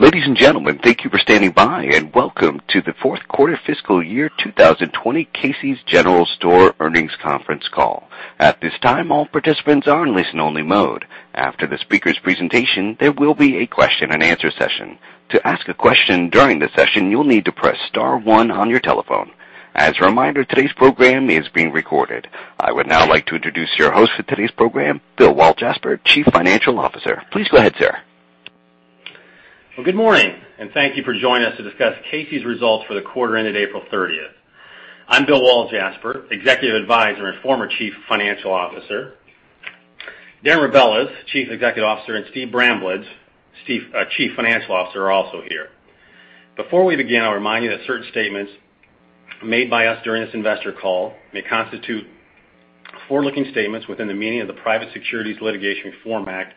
Ladies and gentlemen, thank you for standing by, and welcome to the Fourth Quarter Fiscal Year 2020 Casey's General Stores Earnings Conference Call. At this time, all participants are in listen-only mode. After the speaker's presentation, there will be a question-and-answer session. To ask a question during the session, you'll need to press star one on your telephone. As a reminder, today's program is being recorded. I would now like to introduce your host for today's program, Bill Walljasper, Chief Financial Officer. Please go ahead, sir. Good morning, and thank you for joining us to discuss Casey's results for the quarter-ended April 30th. I'm Bill Walljasper, Executive Advisor and former Chief Financial Officer. Darren Rebelez, Chief Executive Officer, and Steve Bramlage, Chief Financial Officer, are also here. Before we begin, I'll remind you that certain statements made by us during this investor call may constitute forward-looking statements within the meaning of the Private Securities Litigation Reform Act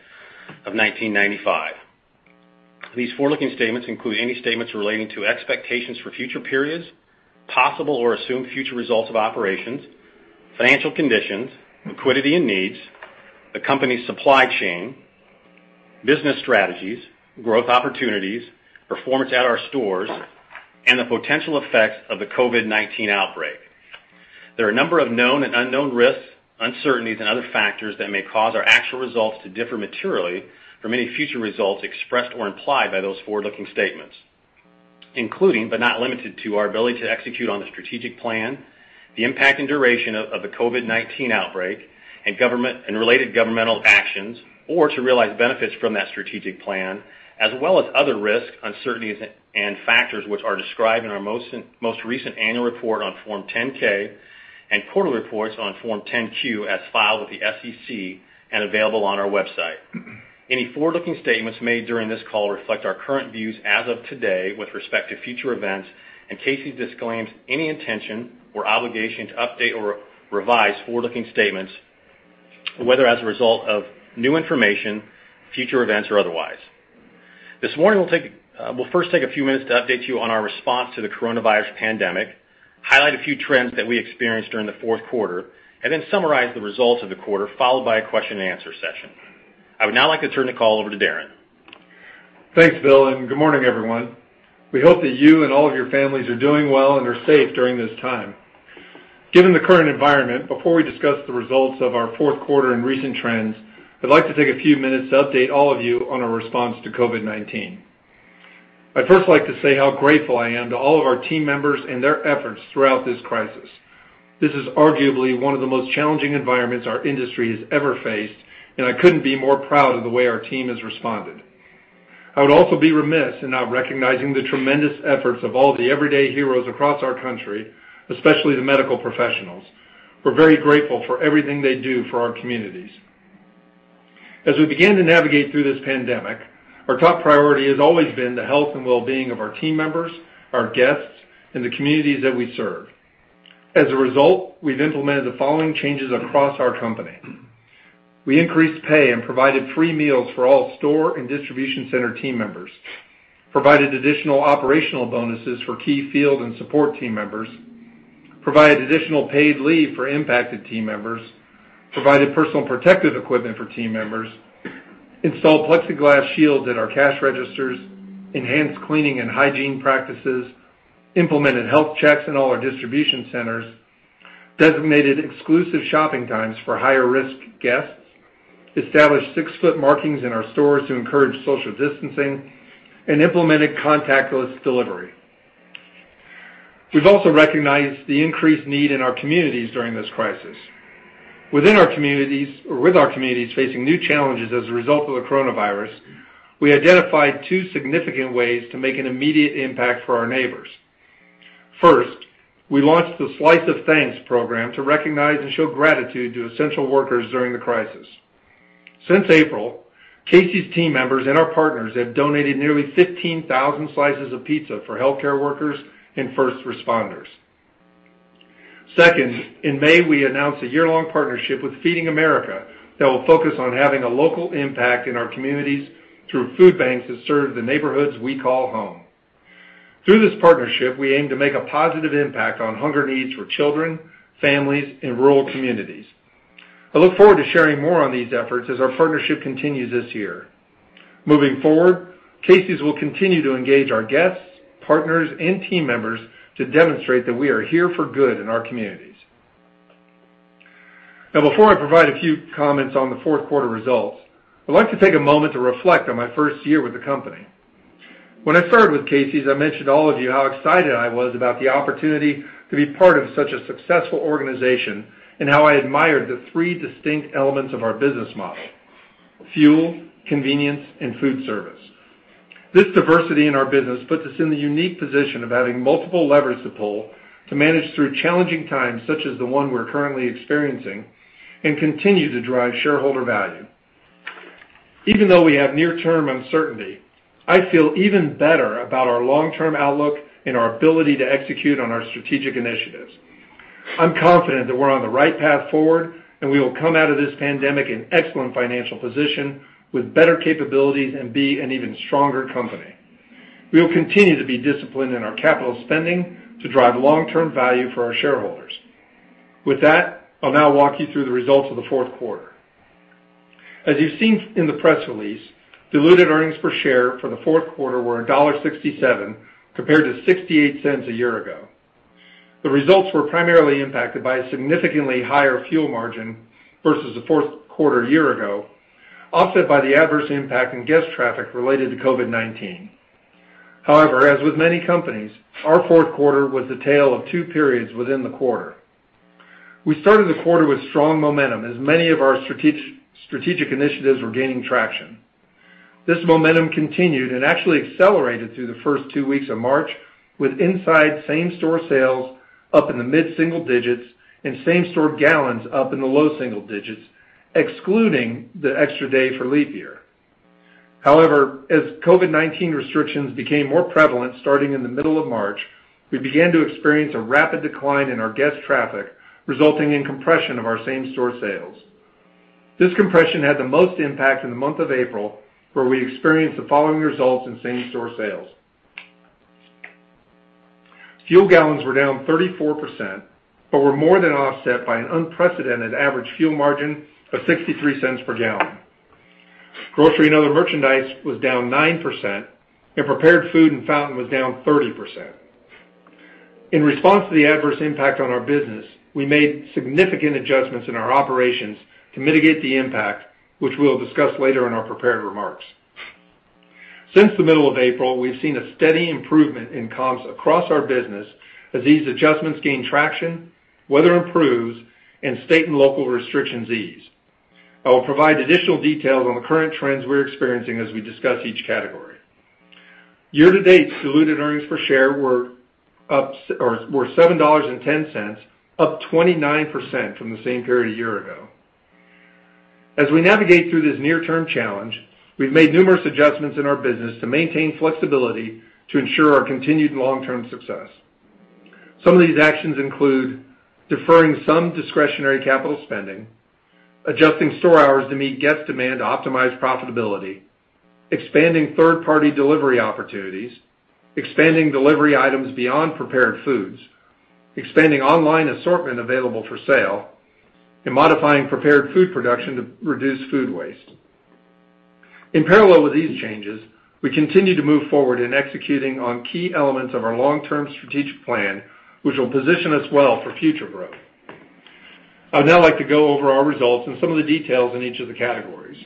of 1995. These forward-looking statements include any statements relating to expectations for future periods, possible or assumed future results of operations, financial conditions, liquidity and needs, the company's supply chain, business strategies, growth opportunities, performance at our stores, and the potential effects of the COVID-19 outbreak. There are a number of known and unknown risks, uncertainties, and other factors that may cause our actual results to differ materially from any future results expressed or implied by those forward-looking statements, including, but not limited to, our ability to execute on the strategic plan, the impact and duration of the COVID-19 outbreak, and related governmental actions or to realize benefits from that strategic plan, as well as other risks, uncertainties, and factors which are described in our most recent annual report on Form 10-K and quarterly reports on Form 10-Q as filed with the SEC and available on our website. Any forward-looking statements made during this call reflect our current views as of today with respect to future events, and Casey's disclaims any intention or obligation to update or revise forward-looking statements, whether as a result of new information, future events, or otherwise. This morning, we'll first take a few minutes to update you on our response to the coronavirus pandemic, highlight a few trends that we experienced during the fourth quarter, and then summarize the results of the quarter followed by a question-and-answer session. I would now like to turn the call over to Darren. Thanks, Bill, and good morning, everyone. We hope that you and all of your families are doing well and are safe during this time. Given the current environment, before we discuss the results of our fourth quarter and recent trends, I'd like to take a few minutes to update all of you on our response to COVID-19. I'd first like to say how grateful I am to all of our team members and their efforts throughout this crisis. This is arguably one of the most challenging environments our industry has ever faced, and I couldn't be more proud of the way our team has responded. I would also be remiss in not recognizing the tremendous efforts of all the everyday heroes across our country, especially the medical professionals. We're very grateful for everything they do for our communities. As we began to navigate through this pandemic, our top priority has always been the health and well-being of our team members, our guests, and the communities that we serve. As a result, we've implemented the following changes across our company. We increased pay and provided free meals for all store and distribution center team members, provided additional operational bonuses for key field and support team members, provided additional paid leave for impacted team members, provided personal protective equipment for team members, installed plexiglass shields at our cash registers, enhanced cleaning and hygiene practices, implemented health checks in all our distribution centers, designated exclusive shopping times for higher-risk guests, established six-foot markings in our stores to encourage social distancing, and implemented contactless delivery. We've also recognized the increased need in our communities during this crisis. Within our communities, or with our communities facing new challenges as a result of the coronavirus, we identified two significant ways to make an immediate impact for our neighbors. First, we launched the Slice of Thanks program to recognize and show gratitude to essential workers during the crisis. Since April, Casey's team members and our partners have donated nearly 15,000 slices of pizza for healthcare workers and first responders. Second, in May, we announced a year-long partnership with Feeding America that will focus on having a local impact in our communities through food banks that serve the neighborhoods we call home. Through this partnership, we aim to make a positive impact on hunger needs for children, families, and rural communities. I look forward to sharing more on these efforts as our partnership continues this year. Moving forward, Casey's will continue to engage our guests, partners, and team members to demonstrate that we are here for good in our communities. Now, before I provide a few comments on the fourth quarter results, I'd like to take a moment to reflect on my first year with the company. When I started with Casey's, I mentioned to all of you how excited I was about the opportunity to be part of such a successful organization and how I admired the three distinct elements of our business model: fuel, convenience, and food service. This diversity in our business puts us in the unique position of having multiple levers to pull to manage through challenging times such as the one we're currently experiencing and continue to drive shareholder value. Even though we have near-term uncertainty, I feel even better about our long-term outlook and our ability to execute on our strategic initiatives. I'm confident that we're on the right path forward, and we will come out of this pandemic in excellent financial position with better capabilities and be an even stronger company. We will continue to be disciplined in our capital spending to drive long-term value for our shareholders. With that, I'll now walk you through the results of the fourth quarter. As you've seen in the press release, diluted earnings per share for the fourth quarter were $1.67 compared to $0.68 a year ago. The results were primarily impacted by a significantly higher fuel margin versus the fourth quarter a year ago, offset by the adverse impact on guest traffic related to COVID-19. However, as with many companies, our fourth quarter was the tale of two periods within the quarter. We started the quarter with strong momentum as many of our strategic initiatives were gaining traction. This momentum continued and actually accelerated through the first two weeks of March, with inside same-store sales up in the mid-single-digits and same-store gallons up in the low-single-digits, excluding the extra day for leap year. However, as COVID-19 restrictions became more prevalent starting in the middle of March, we began to experience a rapid decline in our guest traffic, resulting in compression of our same-store sales. This compression had the most impact in the month of April, where we experienced the following results in same-store sales. Fuel gallons were down 34%, but were more than offset by an unprecedented average fuel margin of $0.63 per gallon. Grocery and other merchandise was down 9%, and prepared food and fountain was down 30%. In response to the adverse impact on our business, we made significant adjustments in our operations to mitigate the impact, which we will discuss later in our prepared remarks. Since the middle of April, we have seen a steady improvement in comps across our business as these adjustments gain traction, weather improves, and state and local restrictions ease. I will provide additional details on the current trends we are experiencing as we discuss each category. Year-to-date, diluted earnings per share were $7.10, up 29% from the same period a year ago. As we navigate through this near-term challenge, we have made numerous adjustments in our business to maintain flexibility to ensure our continued long-term success. Some of these actions include deferring some discretionary capital spending, adjusting store hours to meet guest demand to optimize profitability, expanding third-party delivery opportunities, expanding delivery items beyond prepared foods, expanding online assortment available for sale, and modifying prepared food production to reduce food waste. In parallel with these changes, we continue to move forward in executing on key elements of our long-term strategic plan, which will position us well for future growth. I'd now like to go over our results and some of the details in each of the categories.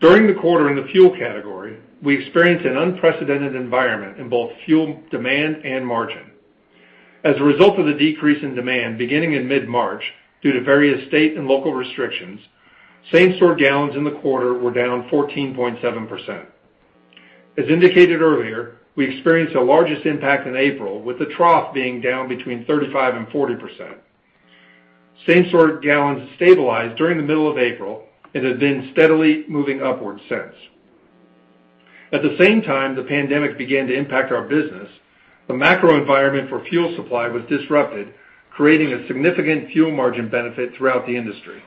During the quarter in the fuel category, we experienced an unprecedented environment in both fuel demand and margin. As a result of the decrease in demand beginning in mid-March due to various state and local restrictions, same-store gallons in the quarter were down 14.7%. As indicated earlier, we experienced the largest impact in April, with the trough being down between 35% and 40%. Same-store gallons stabilized during the middle of April and have been steadily moving upward since. At the same time the pandemic began to impact our business, the macro environment for fuel supply was disrupted, creating a significant fuel margin benefit throughout the industry.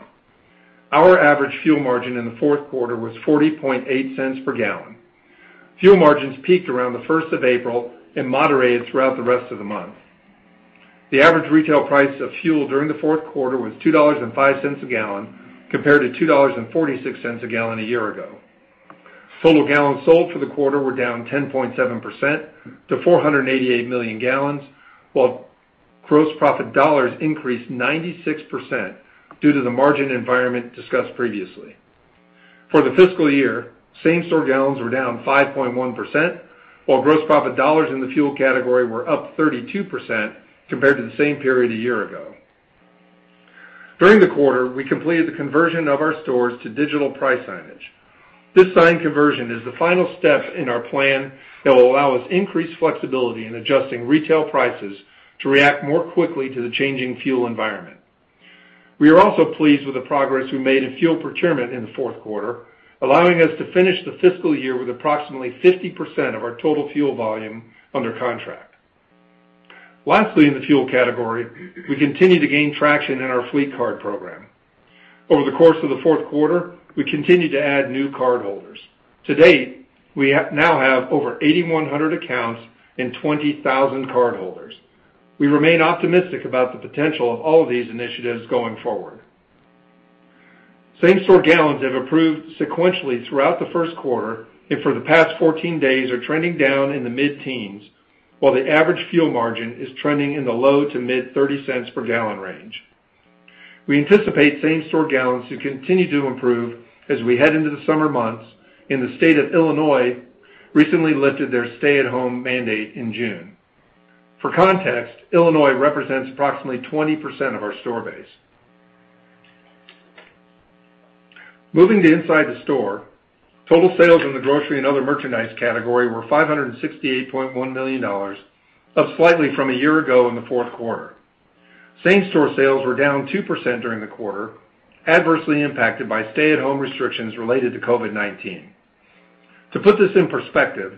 Our average fuel margin in the fourth quarter was $0.408 per gallon. Fuel margins peaked around the first of April and moderated throughout the rest of the month. The average retail price of fuel during the fourth quarter was $2.05 a gallon compared to $2.46 a gallon a year ago. Total gallons sold for the quarter were down 10.7% to 488 million gallons, while gross profit dollars increased 96% due to the margin environment discussed previously. For the fiscal year, same-store gallons were down 5.1%, while gross profit dollars in the fuel category were up 32% compared to the same period a year ago. During the quarter, we completed the conversion of our stores to digital price signage. This signage conversion is the final step in our plan that will allow us increased flexibility in adjusting retail prices to react more quickly to the changing fuel environment. We are also pleased with the progress we made in fuel procurement in the fourth quarter, allowing us to finish the fiscal year with approximately 50% of our total fuel volume under contract. Lastly, in the fuel category, we continue to gain traction in our fleet card program. Over the course of the fourth quarter, we continued to add new cardholders. To date, we now have over 8,100 accounts and 20,000 cardholders. We remain optimistic about the potential of all of these initiatives going forward. Same-store gallons have improved sequentially throughout the first quarter, and for the past 14 days, are trending down in the mid-teens, while the average fuel margin is trending in the low to mid $0.30 per gallon range. We anticipate same-store gallons to continue to improve as we head into the summer months, and the State of Illinois recently lifted their stay-at-home mandate in June. For context, Illinois represents approximately 20% of our store base. Moving to inside the store, total sales in the grocery and other merchandise category were $568.1 million, up slightly from a year ago in the fourth quarter. Same-store sales were down 2% during the quarter, adversely impacted by stay-at-home restrictions related to COVID-19. To put this in perspective,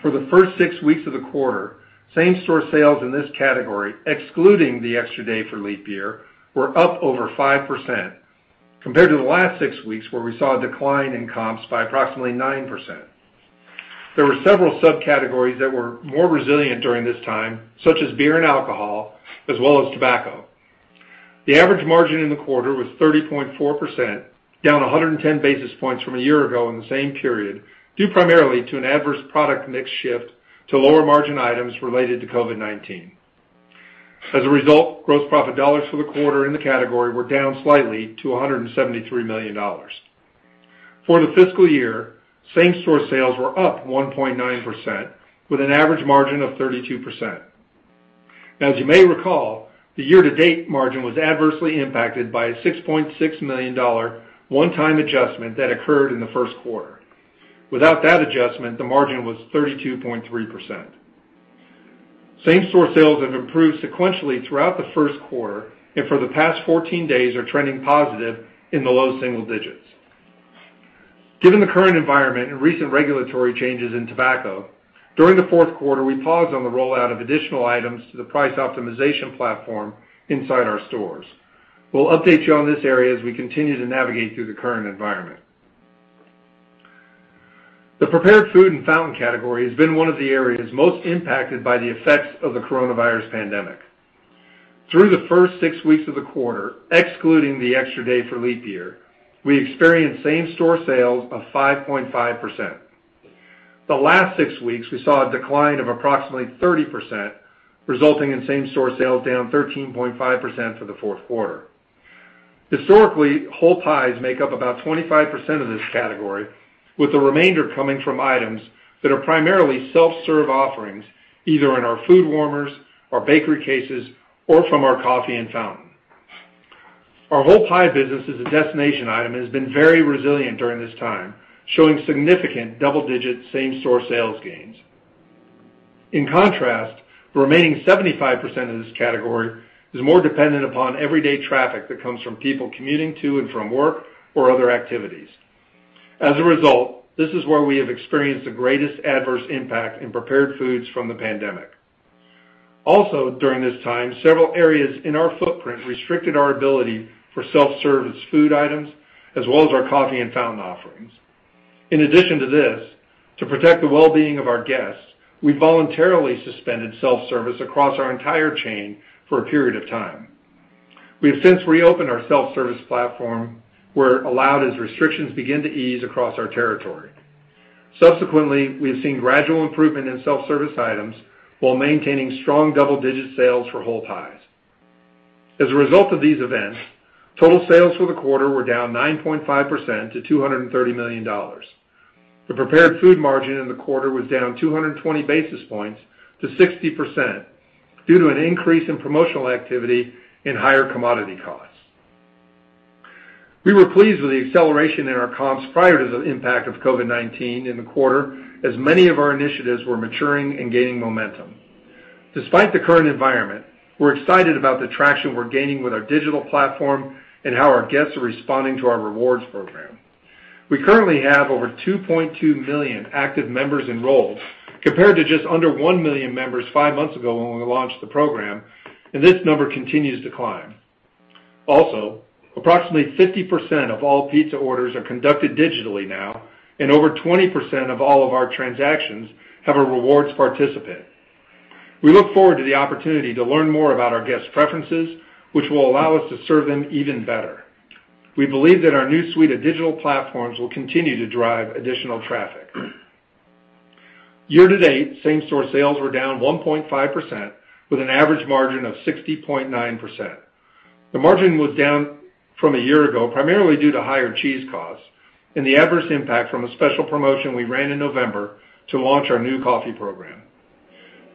for the first six weeks of the quarter, same-store sales in this category, excluding the extra day for leap year, were up over 5% compared to the last six weeks, where we saw a decline in comps by approximately 9%. There were several subcategories that were more resilient during this time, such as beer and alcohol, as well as tobacco. The average margin in the quarter was 30.4%, down 110 basis points from a year ago in the same period, due primarily to an adverse product mix shift to lower margin items related to COVID-19. As a result, gross profit dollars for the quarter in the category were down slightly to $173 million. For the fiscal year, same-store sales were up 1.9%, with an average margin of 32%. As you may recall, the year-to-date margin was adversely impacted by a $6.6 million one-time adjustment that occurred in the first quarter. Without that adjustment, the margin was 32.3%. Same-store sales have improved sequentially throughout the first quarter, and for the past 14 days, are trending positive in the low single digits. Given the current environment and recent regulatory changes in tobacco, during the fourth quarter, we paused on the rollout of additional items to the price optimization platform inside our stores. We'll update you on this area as we continue to navigate through the current environment. The prepared food and fountain category has been one of the areas most impacted by the effects of the coronavirus pandemic. Through the first six weeks of the quarter, excluding the extra day for leap year, we experienced same-store sales of 5.5%. The last six weeks, we saw a decline of approximately 30%, resulting in same-store sales down 13.5% for the fourth quarter. Historically, whole pies make up about 25% of this category, with the remainder coming from items that are primarily self-serve offerings, either in our food warmers, our bakery cases, or from our coffee and fountain. Our whole pie business as a destination item has been very resilient during this time, showing significant double-digit same-store sales gains. In contrast, the remaining 75% of this category is more dependent upon everyday traffic that comes from people commuting to and from work or other activities. As a result, this is where we have experienced the greatest adverse impact in prepared foods from the pandemic. Also, during this time, several areas in our footprint restricted our ability for self-service food items, as well as our coffee and fountain offerings. In addition to this, to protect the well-being of our guests, we voluntarily suspended self-service across our entire chain for a period of time. We have since reopened our self-service platform, where allowed as restrictions begin to ease across our territory. Subsequently, we have seen gradual improvement in self-service items while maintaining strong double-digit sales for whole pies. As a result of these events, total sales for the quarter were down 9.5% to $230 million. The prepared food margin in the quarter was down 220 basis points to 60% due to an increase in promotional activity and higher commodity costs. We were pleased with the acceleration in our comps prior to the impact of COVID-19 in the quarter, as many of our initiatives were maturing and gaining momentum. Despite the current environment, we're excited about the traction we're gaining with our digital platform and how our guests are responding to our rewards program. We currently have over 2.2 million active members enrolled compared to just under 1 million members five months ago when we launched the program, and this number continues to climb. Also, approximately 50% of all pizza orders are conducted digitally now, and over 20% of all of our transactions have a rewards participant. We look forward to the opportunity to learn more about our guest preferences, which will allow us to serve them even better. We believe that our new suite of digital platforms will continue to drive additional traffic. Year-to-date, same-store sales were down 1.5%, with an average margin of 60.9%. The margin was down from a year ago primarily due to higher cheese costs and the adverse impact from a special promotion we ran in November to launch our new coffee program.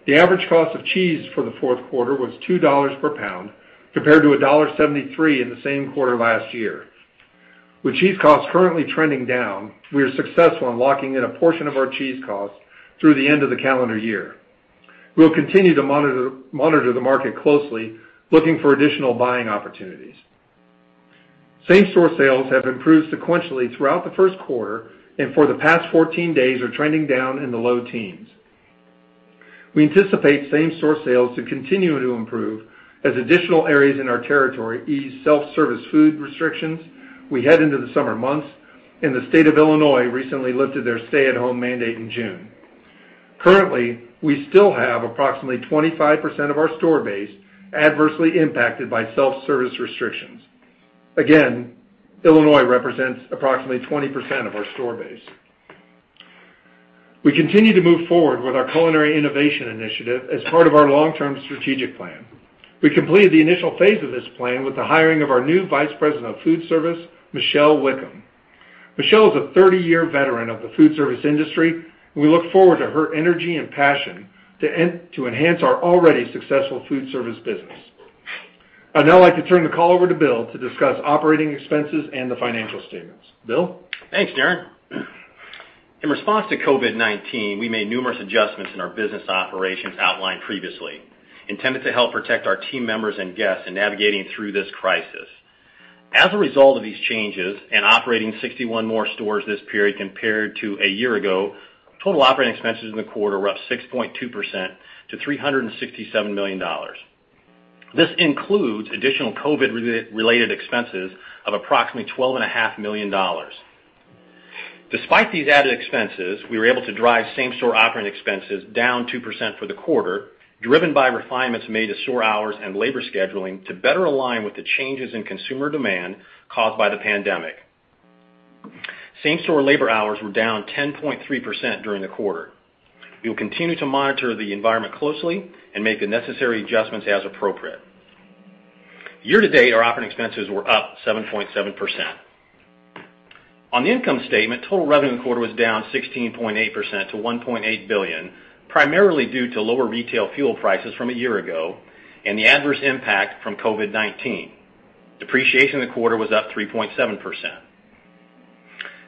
The average cost of cheese for the fourth quarter was $2 per pound compared to $1.73 in the same quarter last year. With cheese costs currently trending down, we are successful in locking in a portion of our cheese costs through the end of the calendar year. We'll continue to monitor the market closely, looking for additional buying opportunities. Same-store sales have improved sequentially throughout the first quarter, and for the past 14 days, are trending down in the low teens. We anticipate same-store sales to continue to improve as additional areas in our territory ease self-service food restrictions as we head into the summer months, and the State of Illinois recently lifted their stay-at-home mandate in June. Currently, we still have approximately 25% of our store base adversely impacted by self-service restrictions. Again, Illinois represents approximately 20% of our store base. We continue to move forward with our culinary innovation initiative as part of our long-term strategic plan. We completed the initial phase of this plan with the hiring of our new Vice President of Food Service, Michelle Wickham. Michelle is a 30-year veteran of the food service industry, and we look forward to her energy and passion to enhance our already successful Food Service business. I'd now like to turn the call over to Bill to discuss operating expenses and the financial statements. Bill? Thanks, Darren. In response to COVID-19, we made numerous adjustments in our business operations outlined previously, intended to help protect our team members and guests in navigating through this crisis. As a result of these changes and operating 61 more stores this period compared to a year ago, total operating expenses in the quarter were up 6.2% to $367 million. This includes additional COVID-related expenses of approximately $12.5 million. Despite these added expenses, we were able to drive same-store operating expenses down 2% for the quarter, driven by refinements made to store hours and labor scheduling to better align with the changes in consumer demand caused by the pandemic. Same-store labor hours were down 10.3% during the quarter. We will continue to monitor the environment closely and make the necessary adjustments as appropriate. Year-to-date, our operating expenses were up 7.7%. On the income statement, total revenue in the quarter was down 16.8% to $1.8 billion, primarily due to lower retail fuel prices from a year ago and the adverse impact from COVID-19. Depreciation in the quarter was up 3.7%.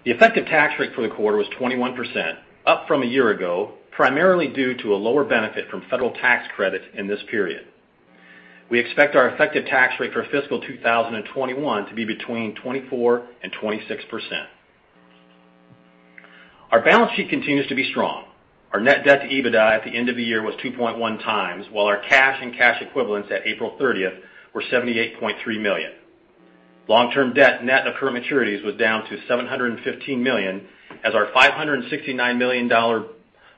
The effective tax rate for the quarter was 21%, up from a year ago, primarily due to a lower benefit from federal tax credits in this period. We expect our effective tax rate for fiscal 2021 to be between 24%-26%. Our balance sheet continues to be strong. Our net debt to EBITDA at the end of the year was 2.1 times, while our cash and cash equivalents at April 30th were $78.3 million. Long-term debt net of current maturities was down to $715 million, as our $569 million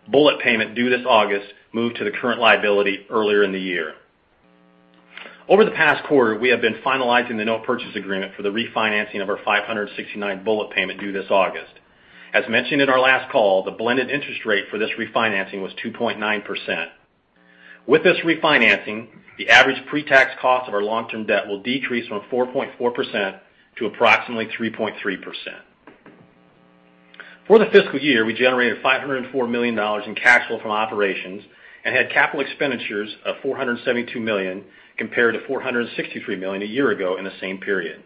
bullet payment due this August moved to the current liability earlier in the year. Over the past quarter, we have been finalizing the note purchase agreement for the refinancing of our $569 million bullet payment due this August. As mentioned in our last call, the blended interest rate for this refinancing was 2.9%. With this refinancing, the average pre-tax cost of our long-term debt will decrease from 4.4% to approximately 3.3%. For the fiscal year, we generated $504 million in cash flow from operations and had capital expenditures of $472 million compared to $463 million a year ago in the same period.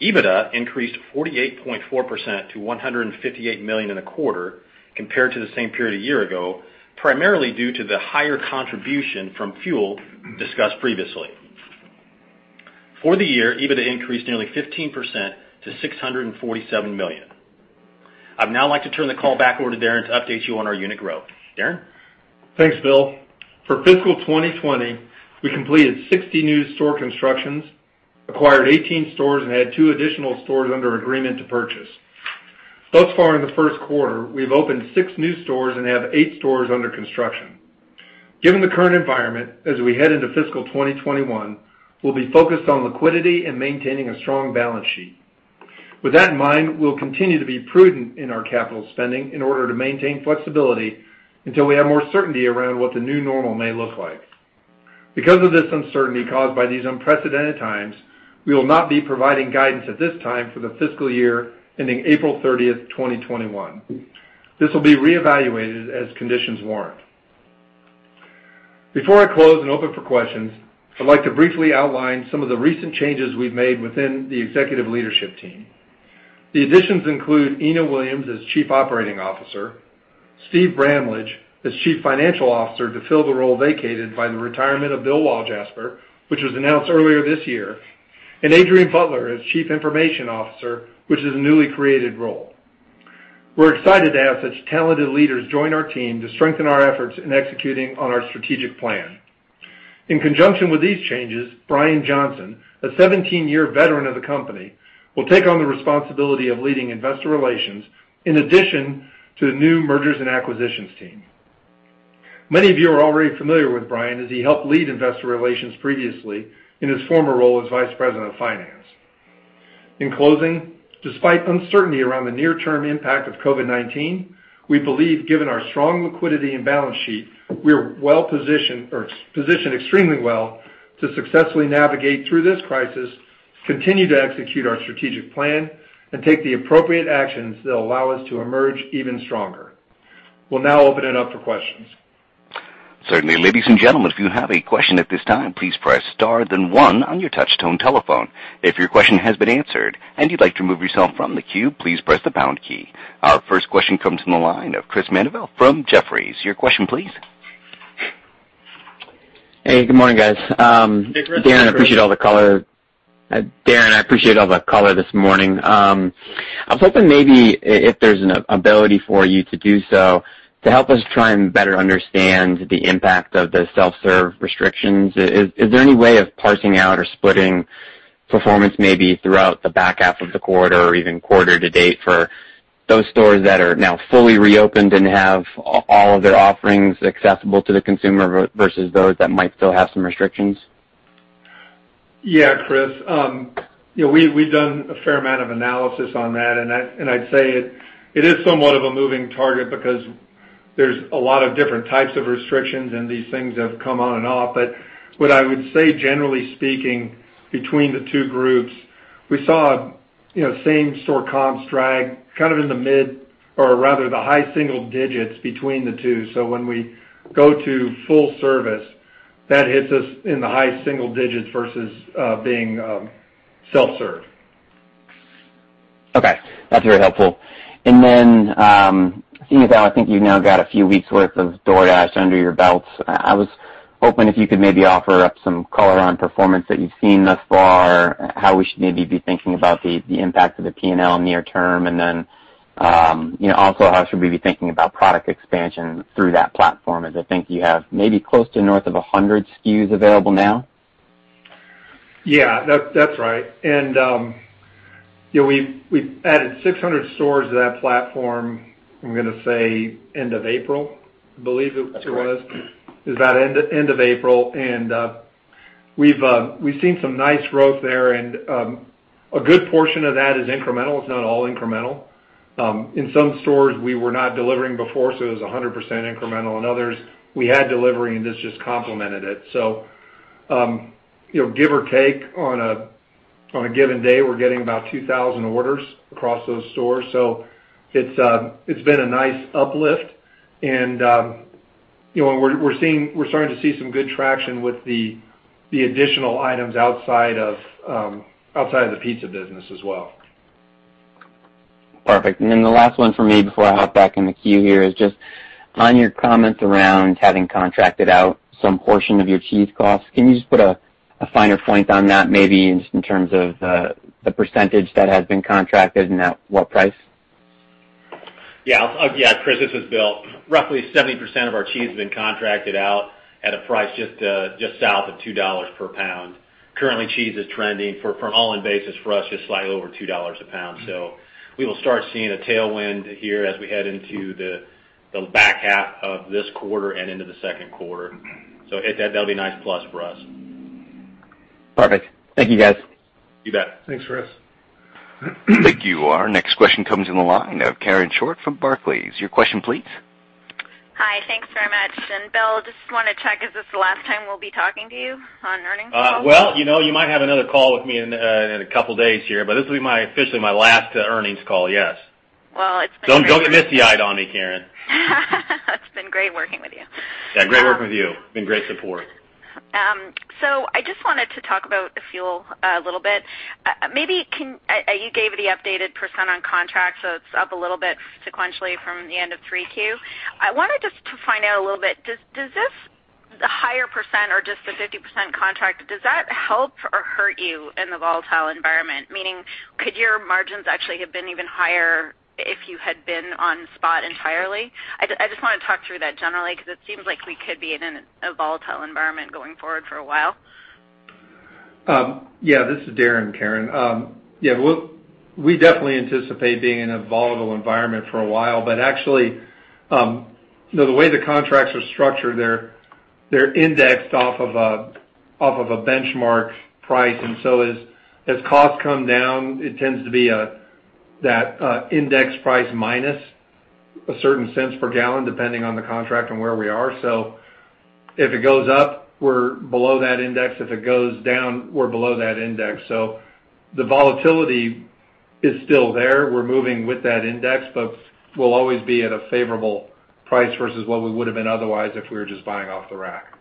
EBITDA increased 48.4% to $158 million in the quarter compared to the same period a year ago, primarily due to the higher contribution from fuel discussed previously. For the year, EBITDA increased nearly 15% to $647 million. I'd now like to turn the call back over to Darren to update you on our unit growth. Darren? Thanks, Bill. For fiscal 2020, we completed 60 new store constructions, acquired 18 stores, and had two additional stores under agreement to purchase. Thus far, in the first quarter, we have opened six new stores and have eight stores under construction. Given the current environment, as we head into fiscal 2021, we'll be focused on liquidity and maintaining a strong balance sheet. With that in mind, we'll continue to be prudent in our capital spending in order to maintain flexibility until we have more certainty around what the new normal may look like. Because of this uncertainty caused by these unprecedented times, we will not be providing guidance at this time for the fiscal year ending April 30th, 2021. This will be reevaluated as conditions warrant. Before I close and open for questions, I'd like to briefly outline some of the recent changes we've made within the executive leadership team. The additions include Ena Williams as Chief Operating Officer, Steve Bramlage as Chief Financial Officer to fill the role vacated by the retirement of Bill Walljasper, which was announced earlier this year, and Adrian Butler as Chief Information Officer, which is a newly created role. We're excited to have such talented leaders join our team to strengthen our efforts in executing on our strategic plan. In conjunction with these changes, Brian Johnson, a 17-year veteran of the company, will take on the responsibility of leading Investor Relations in addition to the new Mergers and Acquisitions team. Many of you are already familiar with Brian as he helped lead Investor Relations previously in his former role as Vice President of Finance. In closing, despite uncertainty around the near-term impact of COVID-19, we believe given our strong liquidity and balance sheet, we are well positioned or positioned extremely well to successfully navigate through this crisis, continue to execute our strategic plan, and take the appropriate actions that will allow us to emerge even stronger. We'll now open it up for questions. Certainly, ladies and gentlemen, if you have a question at this time, please press star then one on your touch-tone telephone. If your question has been answered and you'd like to remove yourself from the queue, please press the pound key. Our first question comes from the line of Chris Mandeville from Jefferies. Your question, please. Hey, good morning, guys. Darren appreciates all the color. Darren appreciates all the color this morning. I was hoping maybe if there's an ability for you to do so to help us try and better understand the impact of the self-serve restrictions, is there any way of parsing out or splitting performance maybe throughout the back half of the quarter or even quarter to date for those stores that are now fully reopened and have all of their offerings accessible to the consumer versus those that might still have some restrictions? Yeah, Chris. We've done a fair amount of analysis on that, and I'd say it is somewhat of a moving target because there's a lot of different types of restrictions, and these things have come on and off. What I would say, generally speaking, between the two groups, we saw same-store comps drag kind of in the mid or rather the high-single-digits between the two. When we go to full service, that hits us in the high-single-digits versus being self-serve. Okay. That's very helpful. Seeing as how I think you've now got a few weeks' worth of DoorDash under your belt, I was hoping if you could maybe offer up some color on performance that you've seen thus far, how we should maybe be thinking about the impact of the P&L near term, and also how should we be thinking about product expansion through that platform as I think you have maybe close to north of 100 SKUs available now? Yeah, that's right. We've added 600 stores to that platform, I'm going to say end of April, I believe it was. That's correct. It was about end of April, and we've seen some nice growth there, and a good portion of that is incremental. It's not all incremental. In some stores, we were not delivering before, so it was 100% incremental. In others, we had delivery, and this just complemented it. Give or take, on a given day, we're getting about 2,000 orders across those stores. It has been a nice uplift, and we're starting to see some good traction with the additional items outside of the pizza business as well. Perfect. The last one for me before I hop back in the queue here is just on your comments around having contracted out some portion of your cheese costs. Can you just put a finer point on that maybe just in terms of the percentage that has been contracted and at what price? Yeah, Chris, this is Bill. Roughly 70% of our cheese has been contracted out at a price just south of $2 per pound. Currently, cheese is trending for an all-in basis for us just slightly over $2 a pound. We will start seeing a tailwind here as we head into the back half of this quarter and into the second quarter. That'll be a nice plus for us. Perfect. Thank you, guys. You bet. Thanks, Chris. Thank you. Our next question comes in the line of Karen Short from Barclays. Your question, please. Hi, thanks very much. And Bill, just want to check, is this the last time we'll be talking to you on earnings calls? You might have another call with me in a couple of days here, but this will be officially my last earnings call, yes. It's been great. Don't get misty-eyed on me, Karen. It's been great working with you. Yeah, great working with you. It's been great support. I just wanted to talk about fuel a little bit. Maybe you gave the updated percent on contract, so it's up a little bit sequentially from the end of 3Q. I wanted just to find out a little bit, does this higher % or just the 50% contract, does that help or hurt you in the volatile environment? Meaning, could your margins actually have been even higher if you had been on spot entirely? I just want to talk through that generally because it seems like we could be in a volatile environment going forward for a while. Yeah, this is Darren and Karen. Yeah, we definitely anticipate being in a volatile environment for a while, but actually, the way the contracts are structured, they're indexed off of a benchmark price, and as costs come down, it tends to be that index price minus a certain cents per gallon depending on the contract and where we are. If it goes up, we're below that index. If it goes down, we're below that index. The volatility is still there. We're moving with that index, but we'll always be at a favorable price versus what we would have been otherwise if we were just buying off the rack.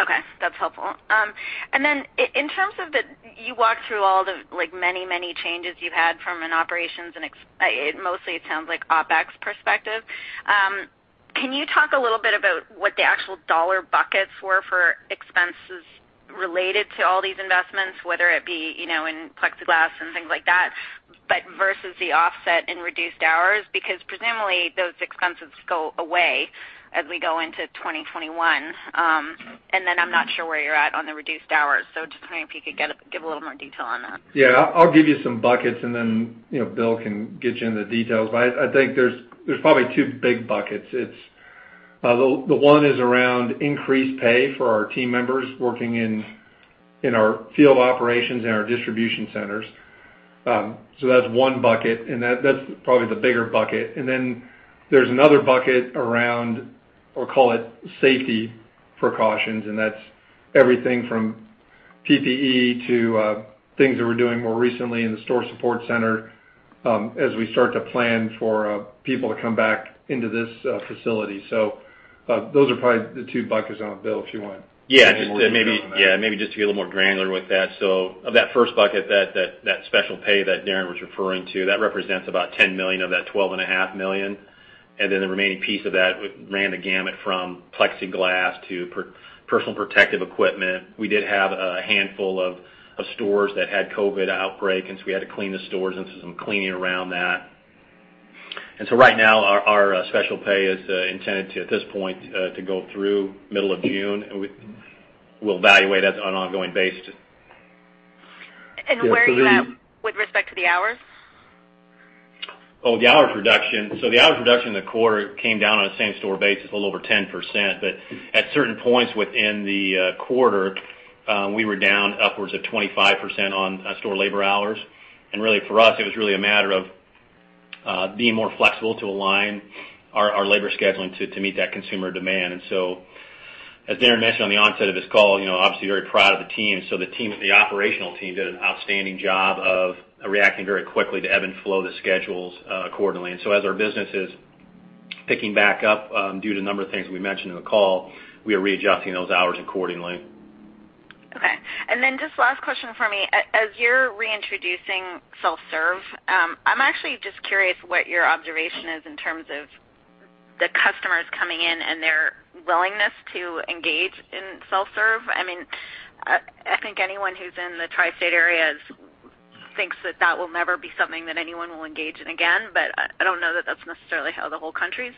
Okay. That's helpful. In terms of the, you walked through all the many, many changes you've had from an operations and mostly, it sounds like, OpEx perspective. Can you talk a little bit about what the actual dollar buckets were for expenses related to all these investments, whether it be in plexiglass and things like that versus the offset and reduced hours? Because presumably, those expenses go away as we go into 2021, and then I'm not sure where you're at on the reduced hours. Just wondering if you could give a little more detail on that. Yeah, I'll give you some buckets, and then Bill can get you into the details. I think there's probably two big buckets. The one is around increased pay for our team members working in our field operations and our distribution centers. That's one bucket, and that's probably the bigger bucket. There is another bucket around, or call it, safety precautions, and that is everything from PPE to things that we are doing more recently in the Store Support Center as we start to plan for people to come back into this facility. Those are probably the two buckets on it, Bill, if you want. Yeah, maybe just to get a little more granular with that. Of that first bucket, that special pay that Darren was referring to, that represents about $10 million of that $12.5 million. The remaining piece of that ran the gamut from plexiglass to personal protective equipment. We did have a handful of stores that had COVID outbreak, and we had to clean the stores, and some cleaning around that. Right now, our special pay is intended to, at this point, to go through middle of June, and we'll evaluate that on an ongoing basis. And where are you at with respect to the hours? Oh, the hours reduction. The hours reduction in the quarter came down on a same-store basis, a little over 10%. At certain points within the quarter, we were down upwards of 25% on store labor hours. Really, for us, it was really a matter of being more flexible to align our labor scheduling to meet that consumer demand. As Darren mentioned on the onset of this call, obviously, very proud of the team. The operational team did an outstanding job of reacting very quickly to ebb and flow the schedules accordingly. As our business is picking back up due to a number of things we mentioned in the call, we are readjusting those hours accordingly. Okay. Just last question for me. As you're reintroducing self-serve, I'm actually just curious what your observation is in terms of the customers coming in and their willingness to engage in self-serve. I mean, I think anyone who's in the Tri-State Areas thinks that that will never be something that anyone will engage in again, but I don't know that that's necessarily how the whole country's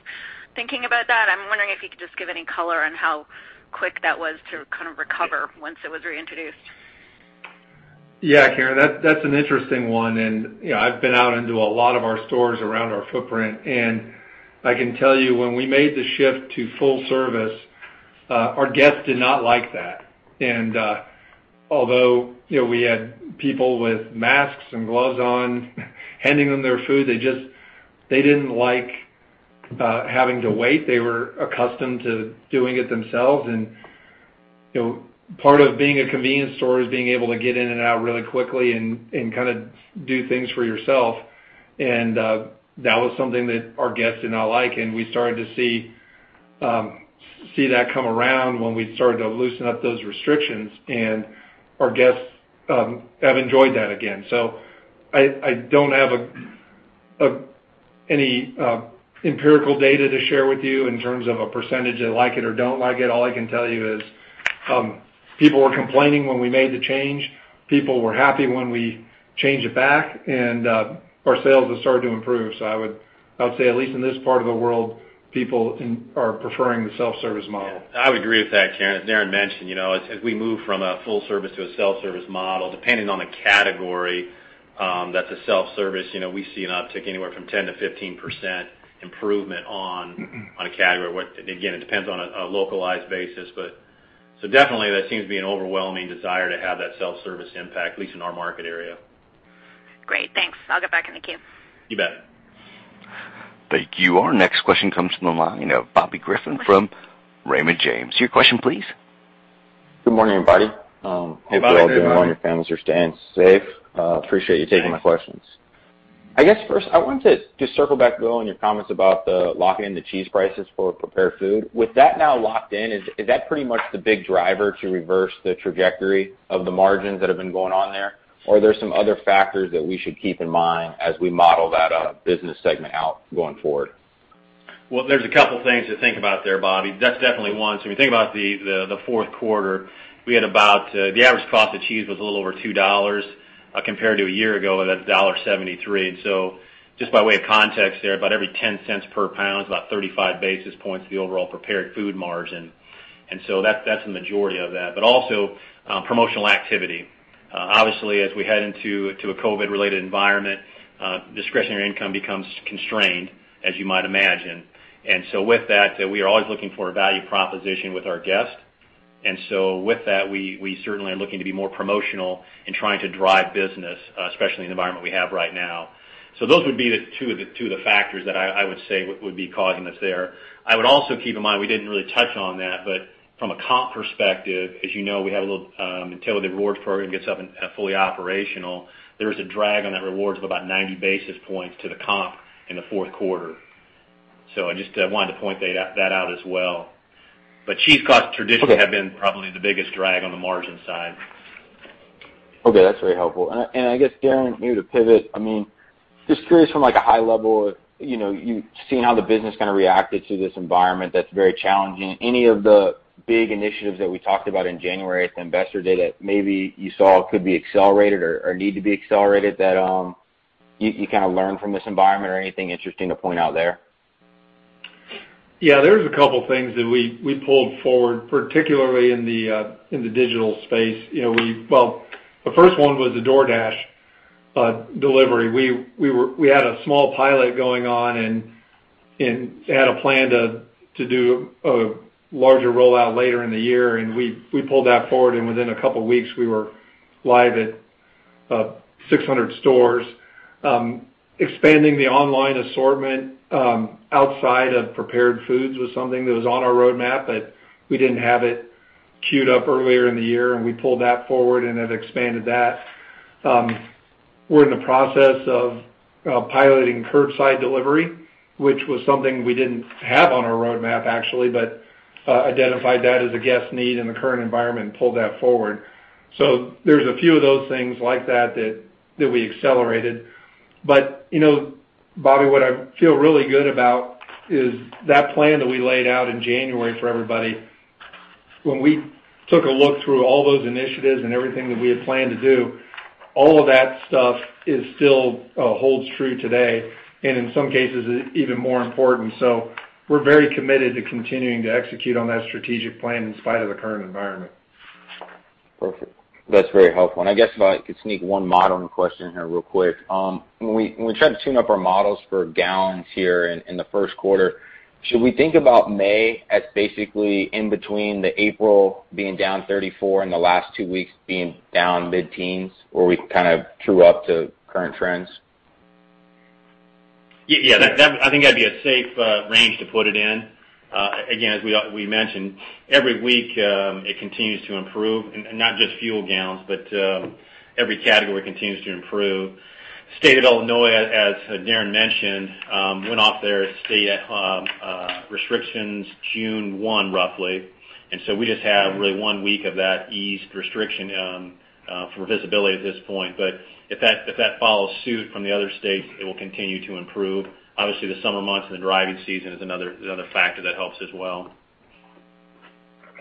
thinking about that. I'm wondering if you could just give any color on how quick that was to kind of recover once it was reintroduced. Yeah, Karen, that's an interesting one. I've been out into a lot of our stores around our footprint, and I can tell you when we made the shift to full service, our guests did not like that. Although we had people with masks and gloves on handing them their food, they didn't like having to wait. They were accustomed to doing it themselves. Part of being a convenience store is being able to get in and out really quickly and kind of do things for yourself. That was something that our guests did not like, and we started to see that come around when we started to loosen up those restrictions, and our guests have enjoyed that again. I don't have any empirical data to share with you in terms of a percentage that like it or don't like it. All I can tell you is people were complaining when we made the change. People were happy when we changed it back, and our sales have started to improve. I would say at least in this part of the world, people are preferring the self-service model. I would agree with that, Karen. As Darren mentioned, as we move from a full service to a self-service model, depending on the category that's a self-service, we see an uptick anywhere from 10%-15% improvement on a category. Again, it depends on a localized basis, but so definitely, there seems to be an overwhelming desire to have that self-service impact, at least in our market area. Great. Thanks. I'll get back in the queue. You bet. Thank you. Our next question comes from the line of Bobby Griffin from Raymond James. Your question, please. Good morning, everybody. Hope you're all doing well and your families are staying safe. Appreciate you taking my questions. I guess first, I wanted to just circle back, Bill, on your comments about the locking in the cheese prices for prepared food. With that now locked in, is that pretty much the big driver to reverse the trajectory of the margins that have been going on there? Or are there some other factors that we should keep in mind as we model that business segment out going forward? There's a couple of things to think about there, Bobby. That's definitely one. If you think about the fourth quarter, we had about the average cost of cheese was a little over $2 compared to a year ago at $1.73. Just by way of context there, about every $0.10 per pound is about 35 basis points of the overall prepared food margin. That is the majority of that. Also, promotional activity. Obviously, as we head into a COVID-related environment, discretionary income becomes constrained, as you might imagine. With that, we are always looking for a value proposition with our guests. With that, we certainly are looking to be more promotional and trying to drive business, especially in the environment we have right now. Those would be the two of the factors that I would say would be causing this there. I would also keep in mind we did not really touch on that, but from a comp perspective, as you know, we have a little until the rewards program gets up and fully operational, there is a drag on that rewards of about 90 basis points to the comp in the fourth quarter. I just wanted to point that out as well. Cheese costs traditionally have been probably the biggest drag on the margin side. Okay. That is very helpful. I guess, Darren, here to pivot, I mean, just curious from a high level, seeing how the business kind of reacted to this environment that is very challenging, any of the big initiatives that we talked about in January at the Investor Day that maybe you saw could be accelerated or need to be accelerated that you kind of learned from this environment or anything interesting to point out there? Yeah, there's a couple of things that we pulled forward, particularly in the digital space. The first one was the DoorDash delivery. We had a small pilot going on and had a plan to do a larger rollout later in the year, and we pulled that forward. Within a couple of weeks, we were live at 600 stores. Expanding the online assortment outside of prepared foods was something that was on our roadmap, but we did not have it queued up earlier in the year, and we pulled that forward and have expanded that. We are in the process of piloting curbside delivery, which was something we did not have on our roadmap, actually, but identified that as a guest need in the current environment and pulled that forward. There are a few of those things like that that we accelerated. Bobby, what I feel really good about is that plan that we laid out in January for everybody. When we took a look through all those initiatives and everything that we had planned to do, all of that stuff still holds true today, and in some cases, even more important. We are very committed to continuing to execute on that strategic plan in spite of the current environment. Perfect. That's very helpful. I guess if I could sneak one modeling question here real quick. When we tried to tune up our models for gallons here in the first quarter, should we think about May as basically in between the April being down 34% and the last two weeks being down mid-teens, or we kind of true up to current trends? Yeah, I think that'd be a safe range to put it in. Again, as we mentioned, every week it continues to improve, and not just fuel gallons, but every category continues to improve. State of Illinois, as Darren mentioned, went off their state restrictions June 1, roughly. We just have really one week of that eased restriction for visibility at this point. If that follows suit from the other states, it will continue to improve. Obviously, the summer months and the driving season is another factor that helps as well.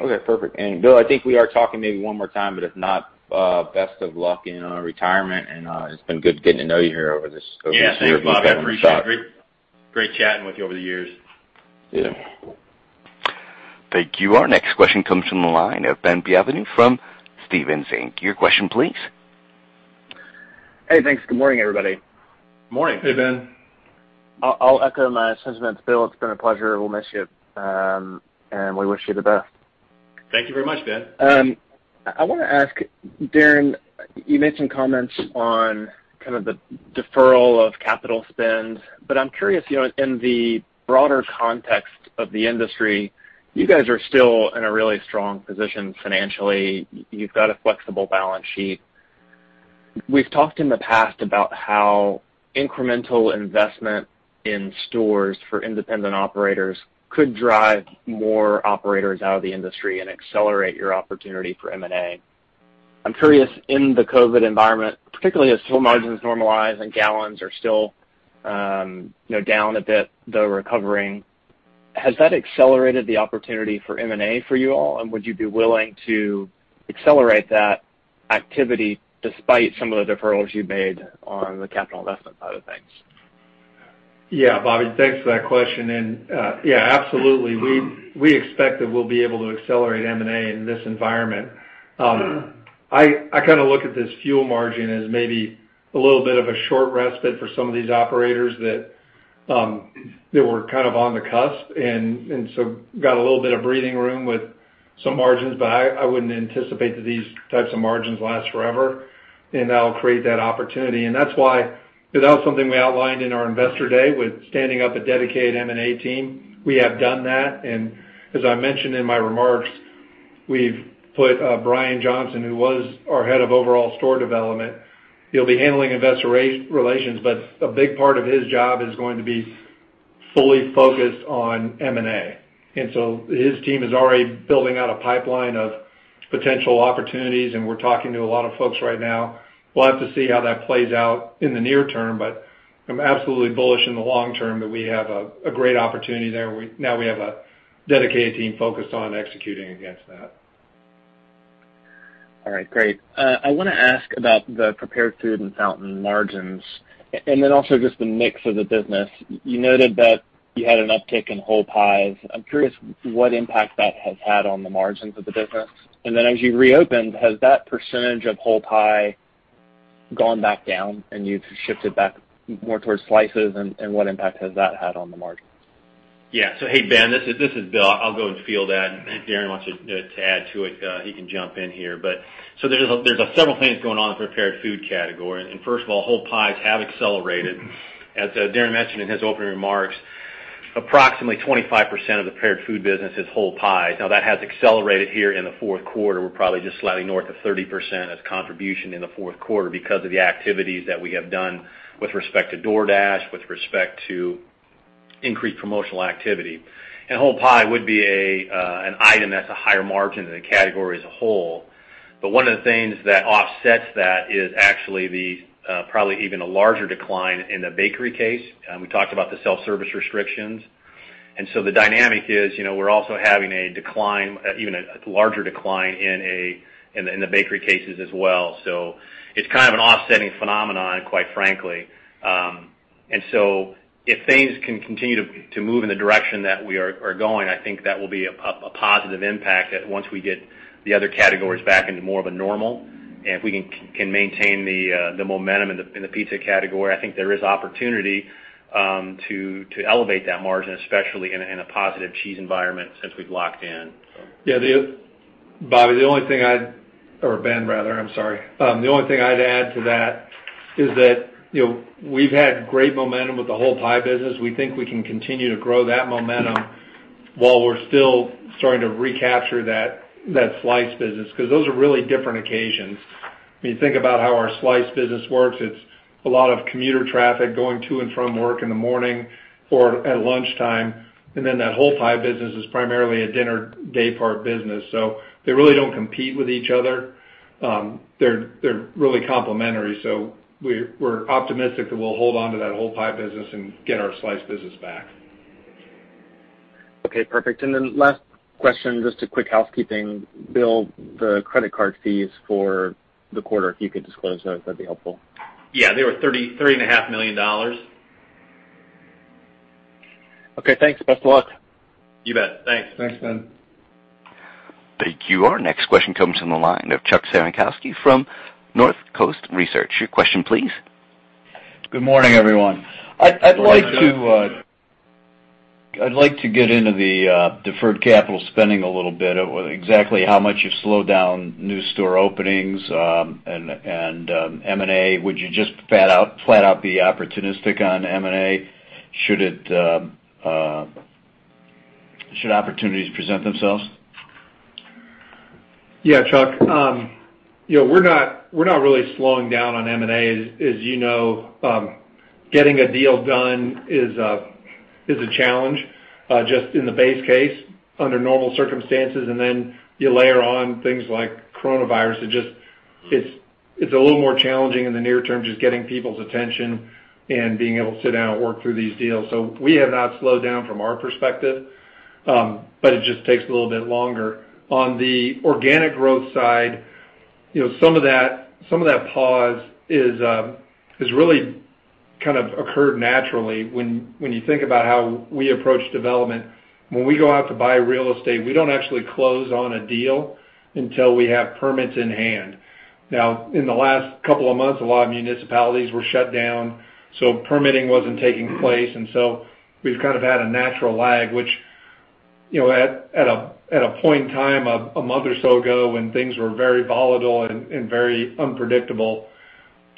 Okay. Perfect. Bill, I think we are talking maybe one more time, but if not, best of luck in retirement. It has been good getting to know you here over this year. Yeah, same thing. I appreciate it. Great chatting with you over the years. Yeah. Thank you. Our next question comes from the line of Ben Bienvenu from Stephens Inc., your question, please. Hey, thanks. Good morning, everybody. Good morning. Hey, Ben. I'll echo my sentiments. Bill, it's been a pleasure. We'll miss you, and we wish you the best. Thank you very much, Ben. I want to ask, Darren, you made some comments on kind of the deferral of capital spend, but I'm curious, in the broader context of the industry, you guys are still in a really strong position financially. You've got a flexible balance sheet. We've talked in the past about how incremental investment in stores for independent operators could drive more operators out of the industry and accelerate your opportunity for M&A. I'm curious, in the COVID environment, particularly as store margins normalize and gallons are still down a bit, though recovering, has that accelerated the opportunity for M&A for you all? Would you be willing to accelerate that activity despite some of the deferrals you have made on the capital investment side of things? Yeah, Ben, thanks for that question. Yeah, absolutely. We expect that we will be able to accelerate M&A in this environment. I kind of look at this fuel margin as maybe a little bit of a short respite for some of these operators that were kind of on the cusp and so got a little bit of breathing room with some margins, but I would not anticipate that these types of margins last forever, and that will create that opportunity. That was something we outlined in our Investor Day with standing up a dedicated M&A team. We have done that. As I mentioned in my remarks, we've put Brian Johnson, who was our Head of overall Store Development, he'll be handling Investor Relations, but a big part of his job is going to be fully focused on M&A. His team is already building out a pipeline of potential opportunities, and we're talking to a lot of folks right now. We'll have to see how that plays out in the near term, but I'm absolutely bullish in the long term that we have a great opportunity there. Now we have a dedicated team focused on executing against that. All right. Great. I want to ask about the prepared food and fountain margins, and then also just the mix of the business. You noted that you had an uptick in whole pies. I'm curious what impact that has had on the margins of the business. As you reopened, has that percentage of whole pie gone back down, and you've shifted back more towards slices? What impact has that had on the margin? Yeah. Hey, Ben, this is Bill. I'll go and field that. If Darren wants to add to it, he can jump in here. There's several things going on in the prepared food category. First of all, whole pies have accelerated. As Darren mentioned in his opening remarks, approximately 25% of the prepared food business is whole pies. That has accelerated here in the fourth quarter. We're probably just slightly north of 30% as contribution in the fourth quarter because of the activities that we have done with respect to DoorDash, with respect to increased promotional activity. whole pie would be an item that's a higher margin than the category as a whole. One of the things that offsets that is actually probably even a larger decline in the bakery case. We talked about the self-service restrictions. The dynamic is we're also having a decline, even a larger decline in the bakery cases as well. It is kind of an offsetting phenomenon, quite frankly. If things can continue to move in the direction that we are going, I think that will be a positive impact that once we get the other categories back into more of a normal, and if we can maintain the momentum in the pizza category, I think there is opportunity to elevate that margin, especially in a positive cheese environment since we've locked in. Yeah, Bobby, the only thing I'd or Ben, rather, I'm sorry. The only thing I'd add to that is that we've had great momentum with the whole pie business. We think we can continue to grow that momentum while we're still starting to recapture that slice business because those are really different occasions. I mean, think about how our slice business works. It's a lot of commuter traffic going to and from work in the morning or at lunchtime, and then that whole pie business is primarily a dinner daypart business. They really do not compete with each other. They're really complementary. We are optimistic that we'll hold on to that whole pie business and get our slice business back. Okay. Perfect. Last question, just a quick housekeeping. Bill, the credit card fees for the quarter, if you could disclose those, that would be helpful. Yeah, they were $30.5 million. Okay. Thanks. Best of luck. You bet. Thanks. Thanks, Ben. Thank you. Our next question comes from the line of Chuck Cerankosky from Northcoast Research. Your question, please. Good morning, everyone. I'd like to get into the deferred capital spending a little bit. Exactly how much you've slowed down new store openings and M&A? Would you just flat out be opportunistic on M&A? Should opportunities present themselves? Yeah, Chuck. We're not really slowing down on M&A. As you know, getting a deal done is a challenge just in the base case under normal circumstances. You layer on things like coronavirus. It's a little more challenging in the near term just getting people's attention and being able to sit down and work through these deals. We have not slowed down from our perspective, but it just takes a little bit longer. On the organic growth side, some of that pause has really kind of occurred naturally. When you think about how we approach development, when we go out to buy real estate, we do not actually close on a deal until we have permits in hand. In the last couple of months, a lot of municipalities were shut down, so permitting was not taking place. We have kind of had a natural lag, which at a point in time, a month or so ago, when things were very volatile and very unpredictable,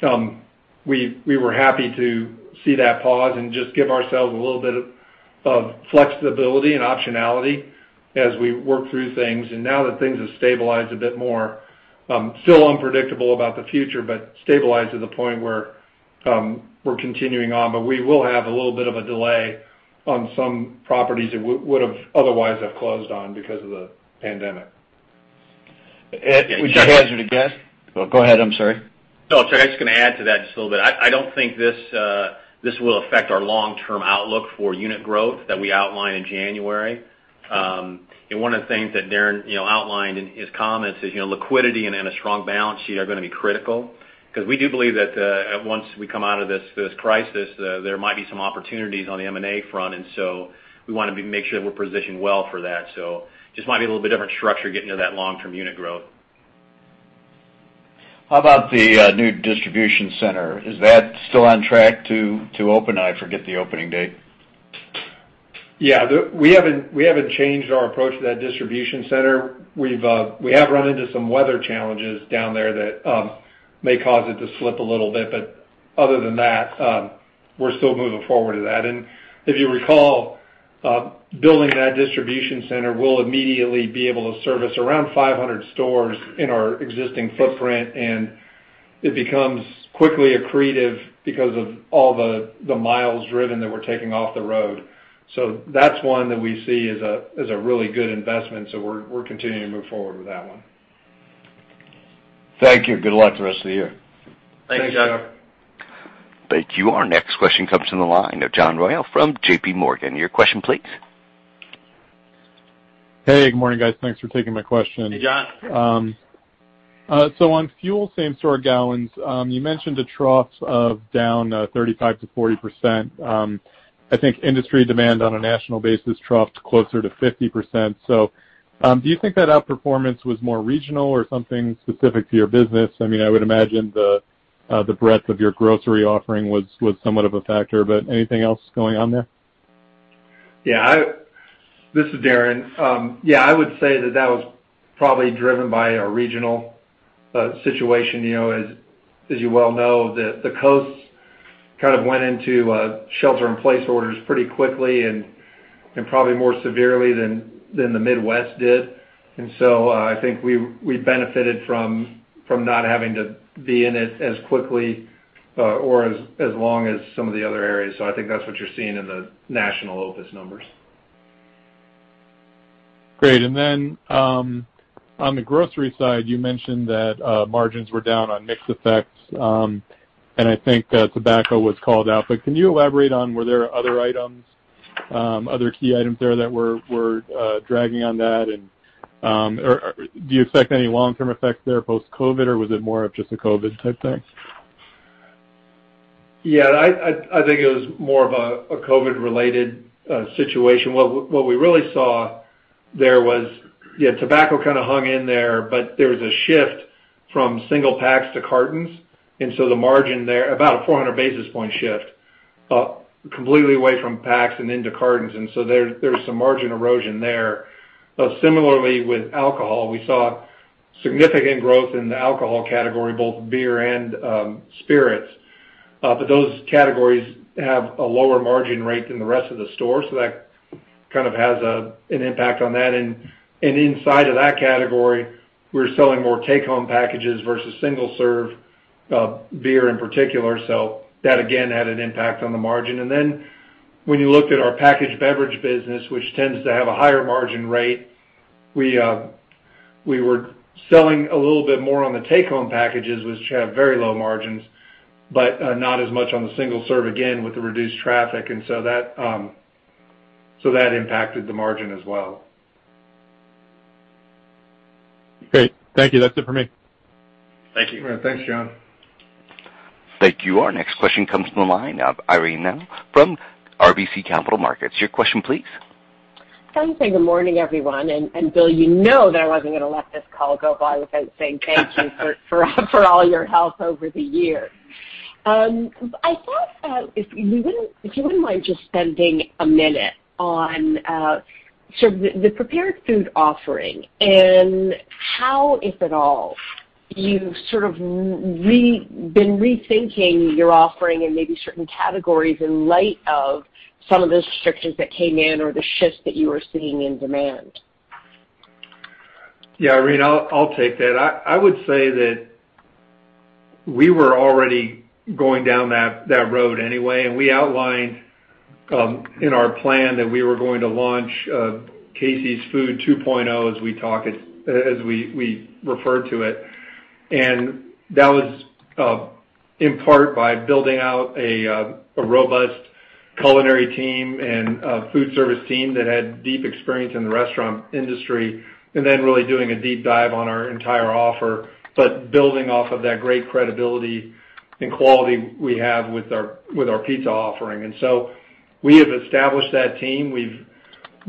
we were happy to see that pause and just give ourselves a little bit of flexibility and optionality as we work through things. Now that things have stabilized a bit more, still unpredictable about the future, but stabilized to the point where we are continuing on. We will have a little bit of a delay on some properties that would have otherwise closed on because of the pandemic. Which hazard a guess? Go ahead. I'm sorry. No, Chuck, I was just going to add to that just a little bit. I don't think this will affect our long-term outlook for unit growth that we outlined in January. One of the things that Darren outlined in his comments is liquidity and a strong balance sheet are going to be critical because we do believe that once we come out of this crisis, there might be some opportunities on the M&A front. We want to make sure that we're positioned well for that. It just might be a little bit different structure getting into that long-term unit growth. How about the new distribution center? Is that still on track to open? I forget the opening date. Yeah, we haven't changed our approach to that distribution center. We have run into some weather challenges down there that may cause it to slip a little bit. Other than that, we're still moving forward with that. If you recall, building that distribution center will immediately be able to service around 500 stores in our existing footprint. It becomes quickly accretive because of all the miles driven that we're taking off the road. That's one that we see as a really good investment. We're continuing to move forward with that one. Thank you. Good luck the rest of the year. Thanks, Chuck. Thank you. Our next question comes from the line of John Royall from JPMorgan. Your question, please. Hey, good morning, guys. Thanks for taking my question. Hey, John. On fuel, same-store gallons, you mentioned a trough of down 35%-40%. I think industry demand on a national basis troughed closer to 50%. Do you think that outperformance was more regional or something specific to your business? I mean, I would imagine the breadth of your grocery offering was somewhat of a factor, but anything else going on there? Yeah, this is Darren. I would say that that was probably driven by a regional situation. As you well know, the coasts kind of went into shelter-in-place orders pretty quickly and probably more severely than the Midwest did. I think we benefited from not having to be in it as quickly or as long as some of the other areas. I think that's what you're seeing in the national OpEx numbers. Great. On the grocery side, you mentioned that margins were down on mixed effects, and I think tobacco was called out. Can you elaborate on were there other items, other key items there that were dragging on that? Do you expect any long-term effects there post-COVID, or was it more of just a COVID type thing? Yeah, I think it was more of a COVID-related situation. What we really saw there was tobacco kind of hung in there, but there was a shift from single packs to cartons. The margin there, about a 400 basis point shift, completely away from packs and into cartons. There is some margin erosion there. Similarly, with alcohol, we saw significant growth in the alcohol category, both beer and spirits. Those categories have a lower margin rate than the rest of the store. That kind of has an impact on that. Inside of that category, we're selling more take-home packages versus single-serve beer in particular. That, again, had an impact on the margin. When you looked at our packaged beverage business, which tends to have a higher margin rate, we were selling a little bit more on the take-home packages, which have very low margins, but not as much on the single-serve, again, with the reduced traffic. That impacted the margin as well. Great. Thank you. That's it for me. Thank you. All right. Thanks, John. Thank you. Our next question comes from the line of Irene Nattel from RBC Capital Markets. Your question, please. Hi, and good morning, everyone. And Bill, you know that I wasn't going to let this call go by without saying thank you for all your help over the years. I thought if you wouldn't mind just spending a minute on sort of the prepared food offering and how, if at all, you've sort of been rethinking your offering and maybe certain categories in light of some of the restrictions that came in or the shifts that you were seeing in demand. Yeah, Irene, I'll take that. I would say that we were already going down that road anyway. We outlined in our plan that we were going to launch Casey's Food 2.0 as we refer to it. That was in part by building out a robust culinary team and food service team that had deep experience in the restaurant industry, and then really doing a deep dive on our entire offer, but building off of that great credibility and quality we have with our pizza offering. We have established that team. We've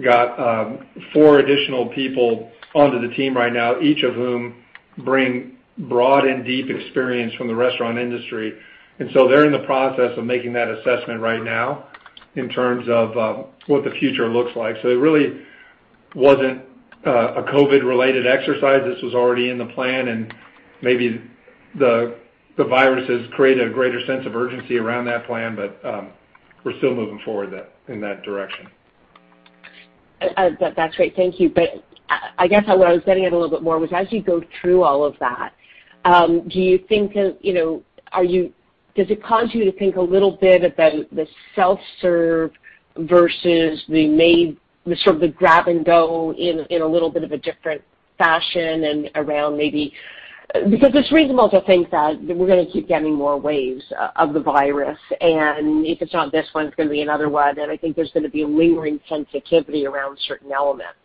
got four additional people onto the team right now, each of whom bring broad and deep experience from the restaurant industry. They're in the process of making that assessment right now in terms of what the future looks like. It really wasn't a COVID-related exercise. This was already in the plan. Maybe the virus has created a greater sense of urgency around that plan, but we're still moving forward in that direction. That's great. Thank you. I guess what I was getting at a little bit more was as you go through all of that, do you think that does it cause you to think a little bit about the self-serve versus the sort of the grab-and-go in a little bit of a different fashion and around maybe because it's reasonable to think that we're going to keep getting more waves of the virus. If it's not this one, it's going to be another one. I think there's going to be a lingering sensitivity around certain elements.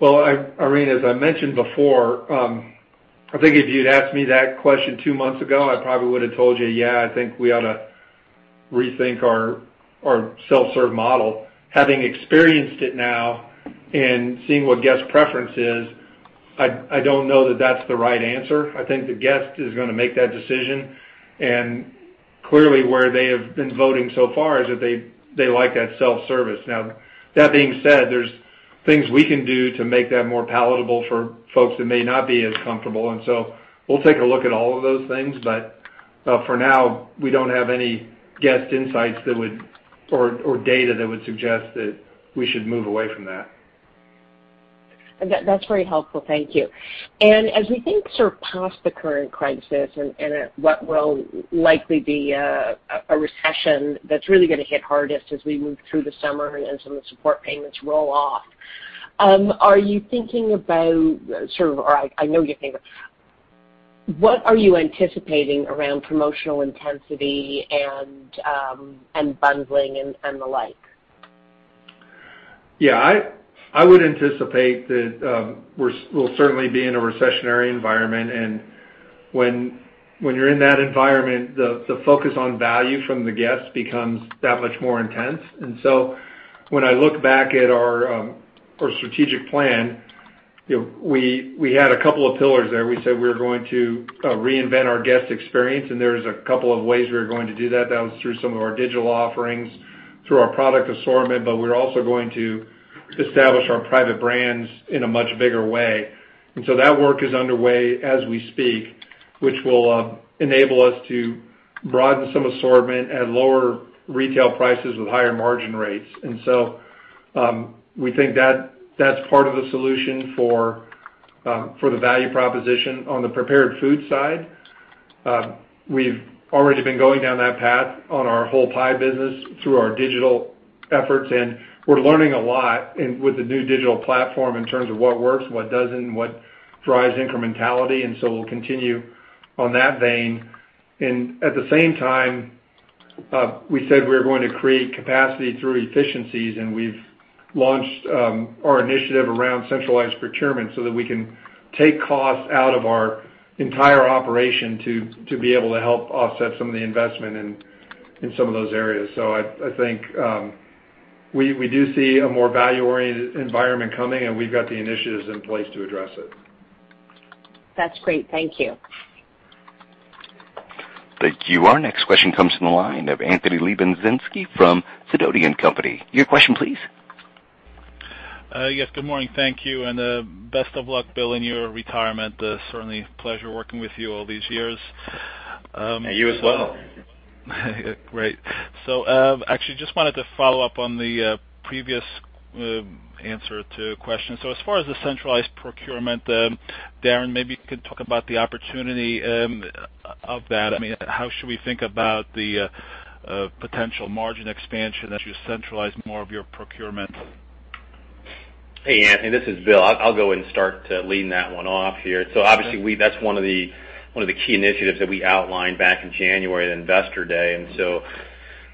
Irene, as I mentioned before, I think if you'd asked me that question two months ago, I probably would have told you, "Yeah, I think we ought to rethink our self-serve model." Having experienced it now and seeing what guest preference is, I don't know that that's the right answer. I think the guest is going to make that decision. Clearly, where they have been voting so far is that they like that self-service. That being said, there's things we can do to make that more palatable for folks that may not be as comfortable. We will take a look at all of those things. For now, we don't have any guest insights or data that would suggest that we should move away from that. That's very helpful. Thank you. As we think sort of past the current crisis and what will likely be a recession that's really going to hit hardest as we move through the summer and some of the support payments roll off, are you thinking about sort of, or I know you're thinking about, what are you anticipating around promotional intensity and bundling and the like? Yeah, I would anticipate that we'll certainly be in a recessionary environment. When you're in that environment, the focus on value from the guests becomes that much more intense. When I look back at our strategic plan, we had a couple of pillars there. We said we were going to reinvent our guest experience. There are a couple of ways we are going to do that. That was through some of our digital offerings, through our product assortment. We are also going to establish our private brands in a much bigger way. That work is underway as we speak, which will enable us to broaden some assortment at lower retail prices with higher margin rates. We think that is part of the solution for the value proposition. On the prepared food side, we have already been going down that path on our whole pie business through our digital efforts. We are learning a lot with the new digital platform in terms of what works, what does not, what drives incrementality. We will continue on that vein. At the same time, we said we are going to create capacity through efficiencies. We have launched our initiative around centralized procurement so that we can take costs out of our entire operation to be able to help offset some of the investment in some of those areas. I think we do see a more value-oriented environment coming. We have the initiatives in place to address it. That's great. Thank you. Thank you. Our next question comes from the line of Anthony Lebiedzinski from Sidoti & Company. Your question, please. Yes, good morning. Thank you. And best of luck, Bill, in your retirement. Certainly a pleasure working with you all these years. You as well. Great. I actually just wanted to follow up on the previous answer to a question. As far as the centralized procurement, Darren, maybe you could talk about the opportunity of that. I mean, how should we think about the potential margin expansion as you centralize more of your procurement? Hey, Anthony, this is Bill. I'll go and start leading that one off here. Obviously, that's one of the key initiatives that we outlined back in January at Investor Day.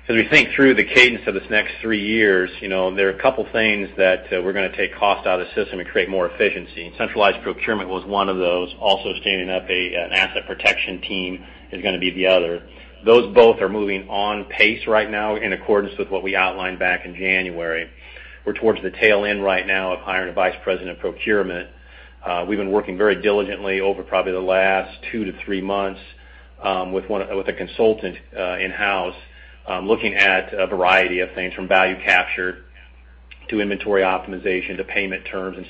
As we think through the cadence of this next three years, there are a couple of things that we're going to take cost out of the system and create more efficiency. Centralized procurement was one of those. Also standing up an asset protection team is going to be the other. Those both are moving on pace right now in accordance with what we outlined back in January. We're towards the tail end right now of hiring a Vice President of Procurement. We've been working very diligently over probably the last two to three months with a consultant in-house looking at a variety of things from value capture to inventory optimization to payment terms and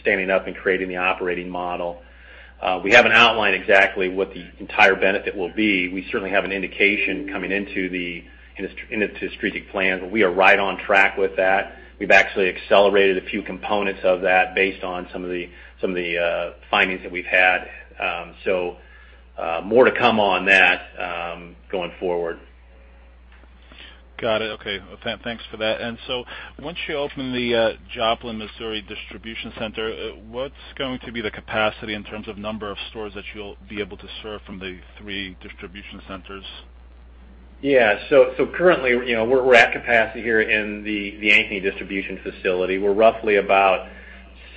standing up and creating the operating model. We haven't outlined exactly what the entire benefit will be. We certainly have an indication coming into the strategic plan, but we are right on track with that. We've actually accelerated a few components of that based on some of the findings that we've had. More to come on that going forward. Got it. Okay. Thanks for that. Once you open the Joplin, Missouri distribution center, what's going to be the capacity in terms of number of stores that you'll be able to serve from the three distribution centers? Yeah. Currently, we're at capacity here in the Ankeny distribution facility. We're roughly about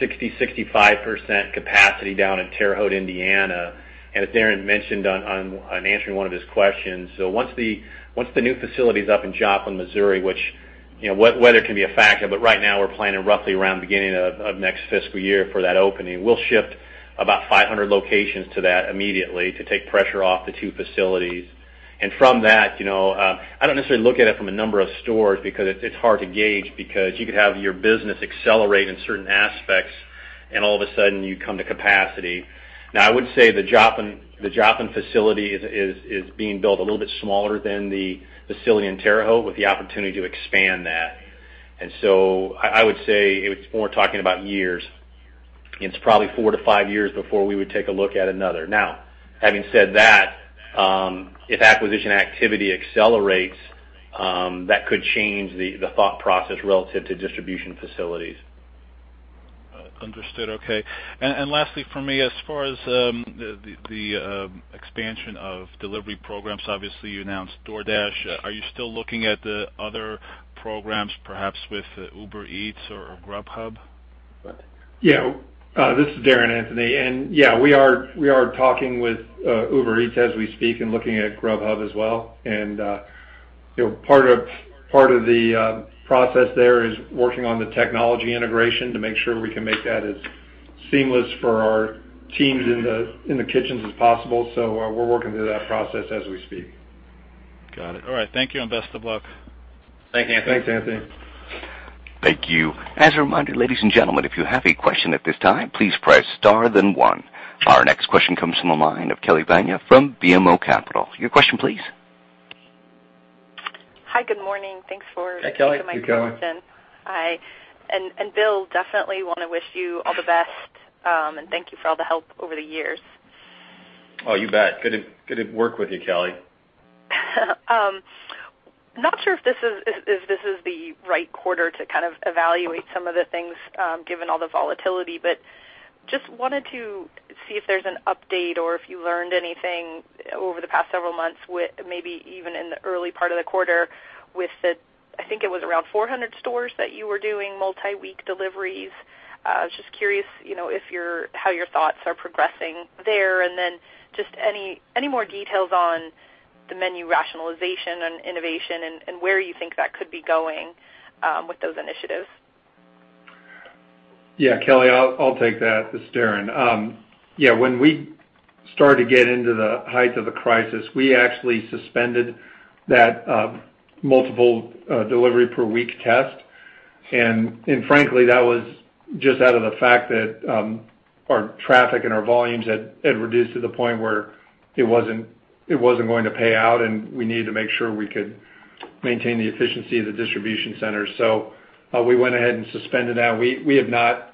60-65% capacity down in Terre Haute, Indiana. As Darren mentioned on answering one of his questions, once the new facility is up in Joplin, Missouri, which weather can be a factor, right now we're planning roughly around the beginning of next fiscal year for that opening. We'll shift about 500 locations to that immediately to take pressure off the two facilities. From that, I don't necessarily look at it from a number of stores because it's hard to gauge because you could have your business accelerate in certain aspects, and all of a sudden you come to capacity. I would say the Joplin facility is being built a little bit smaller than the facility in Terre Haute with the opportunity to expand that. I would say it's more talking about years. It's probably four to five years before we would take a look at another. Now, having said that, if acquisition activity accelerates, that could change the thought process relative to distribution facilities. Understood. Okay. Lastly for me, as far as the expansion of delivery programs, obviously you announced DoorDash. Are you still looking at the other programs, perhaps with Uber Eats or Grubhub? Yeah. This is Darren, Anthony. Yeah, we are talking with Uber Eats as we speak and looking at Grubhub as well. Part of the process there is working on the technology integration to make sure we can make that as seamless for our teams in the kitchens as possible. We are working through that process as we speak. Got it. All right. Thank you and best of luck. Thanks, Anthony. Thanks, Anthony. Thank you. As a reminder, ladies and gentlemen, if you have a question at this time, please press star, then one. Our next question comes from the line of Kelly Bania from BMO Capital Markets. Your question, please. Hi, good morning. Thanks for coming to my conference. Hi, Kelly. And Bill, definitely want to wish you all the best and thank you for all the help over the years. Oh, you bet. Good to work with you, Kelly. Not sure if this is the right quarter to kind of evaluate some of the things given all the volatility, but just wanted to see if there's an update or if you learned anything over the past several months, maybe even in the early part of the quarter with the, I think it was around 400 stores that you were doing multi-week deliveries. I was just curious how your thoughts are progressing there and then just any more details on the menu rationalization and innovation and where you think that could be going with those initiatives. Yeah, Kelly, I'll take that. This is Darren. Yeah, when we started to get into the height of the crisis, we actually suspended that multiple delivery per week test. Frankly, that was just out of the fact that our traffic and our volumes had reduced to the point where it was not going to pay out, and we needed to make sure we could maintain the efficiency of the distribution centers. We went ahead and suspended that. We have not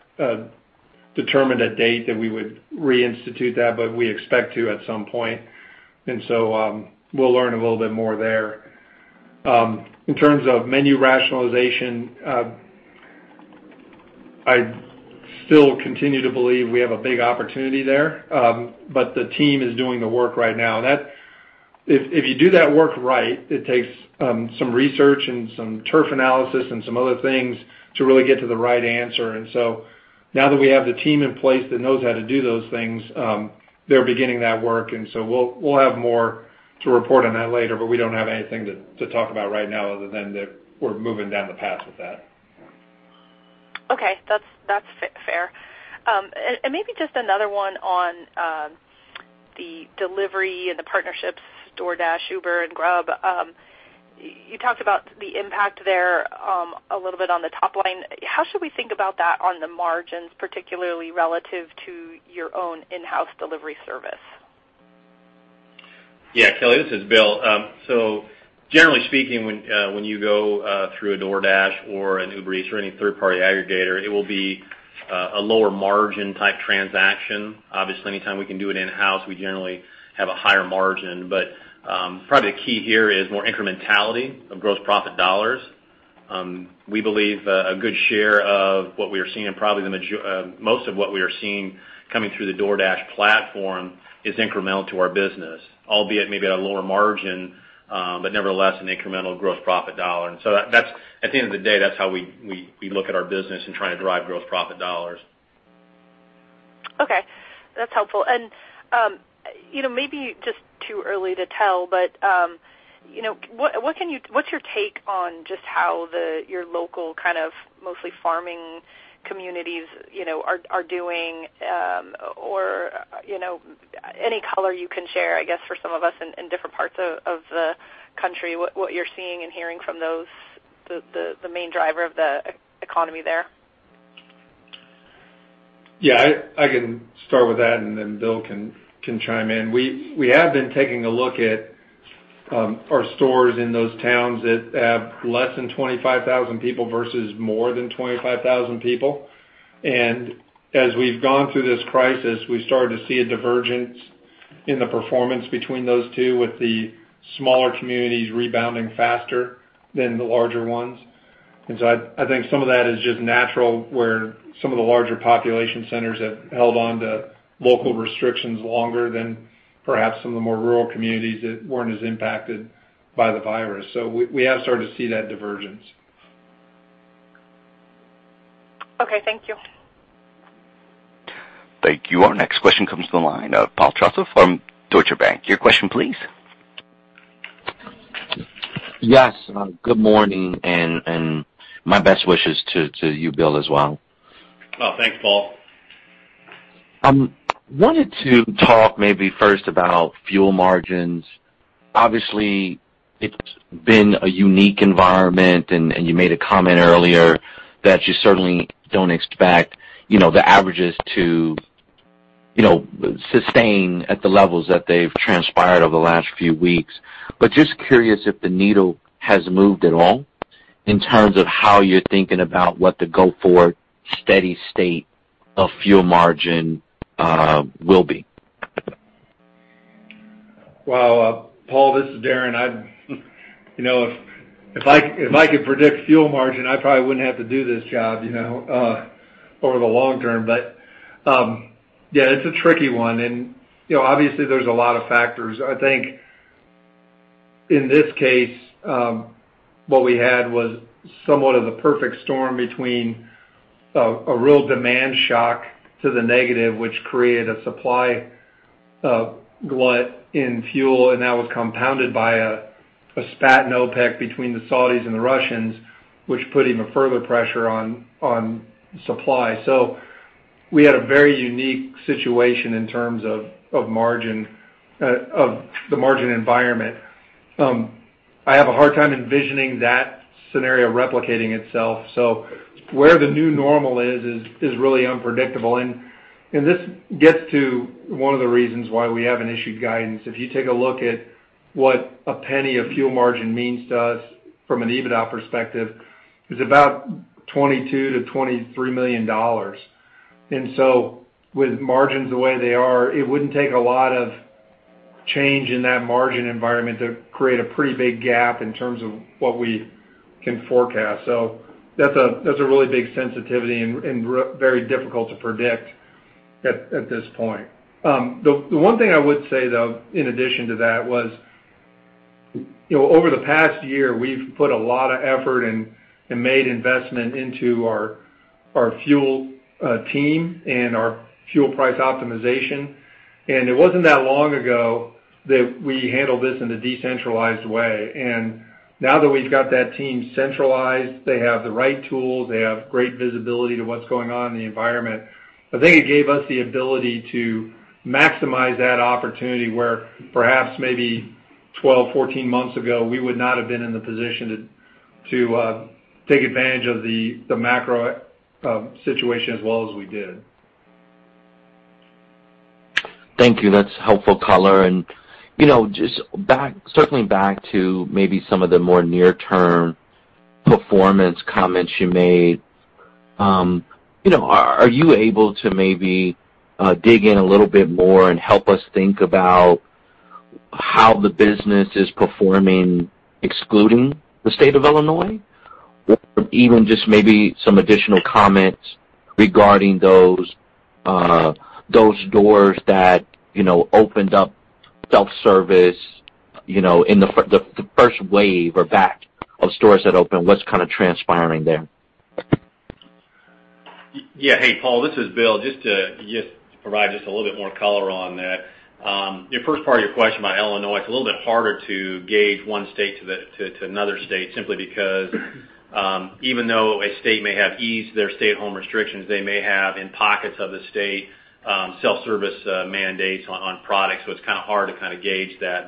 determined a date that we would reinstitute that, but we expect to at some point. We will learn a little bit more there. In terms of menu rationalization, I still continue to believe we have a big opportunity there, but the team is doing the work right now. If you do that work right, it takes some research and some TURF analysis and some other things to really get to the right answer. Now that we have the team in place that knows how to do those things, they're beginning that work. We will have more to report on that later, but we do not have anything to talk about right now other than that we are moving down the path with that. Okay. That is fair. Maybe just another one on the delivery and the partnerships, DoorDash, Uber, and Grub. You talked about the impact there a little bit on the top line. How should we think about that on the margins, particularly relative to your own in-house delivery service? Yeah, Kelly, this is Bill. Generally speaking, when you go through a DoorDash or an Uber Eats or any third-party aggregator, it will be a lower margin type transaction. Obviously, anytime we can do it in-house, we generally have a higher margin. Probably the key here is more incrementality of gross profit dollars. We believe a good share of what we are seeing, and probably most of what we are seeing coming through the DoorDash platform, is incremental to our business, albeit maybe at a lower margin, but nevertheless an incremental gross profit dollar. At the end of the day, that's how we look at our business and try to drive gross profit dollars. Okay. That's helpful. Maybe just too early to tell, but what's your take on just how your local kind of mostly farming communities are doing or any color you can share, I guess, for some of us in different parts of the country, what you're seeing and hearing from those, the main driver of the economy there? Yeah, I can start with that, and then Bill can chime in. We have been taking a look at our stores in those towns that have less than 25,000 people versus more than 25,000 people. As we've gone through this crisis, we've started to see a divergence in the performance between those two, with the smaller communities rebounding faster than the larger ones. I think some of that is just natural where some of the larger population centers have held on to local restrictions longer than perhaps some of the more rural communities that were not as impacted by the virus. We have started to see that divergence. Thank you. Thank you. Our next question comes from the line of Paul Trussell from Deutsche Bank. Your question, please. Yes. Good morning. My best wishes to you, Bill, as well. Thanks, Paul. I wanted to talk maybe first about fuel margins. Obviously, it has been a unique environment, and you made a comment earlier that you certainly do not expect the averages to sustain at the levels that they have transpired over the last few weeks. Just curious if the needle has moved at all in terms of how you're thinking about what the go-forward steady state of fuel margin will be. Paul, this is Darren. If I could predict fuel margin, I probably wouldn't have to do this job over the long term. Yeah, it's a tricky one. Obviously, there's a lot of factors. I think in this case, what we had was somewhat of the perfect storm between a real demand shock to the negative, which created a supply glut in fuel, and that was compounded by a spat in OPEC between the Saudis and the Russians, which put even further pressure on supply. We had a very unique situation in terms of the margin environment. I have a hard time envisioning that scenario replicating itself. Where the new normal is is really unpredictable. This gets to one of the reasons why we have an issue guidance. If you take a look at what a penny of fuel margin means to us from an EBITDA perspective, it's about $22 million to $23 million. With margins the way they are, it would not take a lot of change in that margin environment to create a pretty big gap in terms of what we can forecast. That is a really big sensitivity and very difficult to predict at this point. The one thing I would say, though, in addition to that, was over the past year, we have put a lot of effort and made investment into our fuel team and our fuel price optimization. It was not that long ago that we handled this in a decentralized way. Now that we've got that team centralized, they have the right tools, they have great visibility to what's going on in the environment. I think it gave us the ability to maximize that opportunity where perhaps maybe 12, 14 months ago, we would not have been in the position to take advantage of the macro situation as well as we did. Thank you. That's helpful color. Just circling back to maybe some of the more near-term performance comments you made, are you able to maybe dig in a little bit more and help us think about how the business is performing excluding the State of Illinois or even just maybe some additional comments regarding those doors that opened up self-service in the first wave or batch of stores that opened? What's kind of transpiring there? Yeah. Hey, Paul, this is Bill. Just to provide just a little bit more color on that. Your first part of your question about Illinois, it's a little bit harder to gauge one state to another state simply because even though a state may have eased their stay-at-home restrictions, they may have in pockets of the state self-service mandates on products. It's kind of hard to kind of gauge that.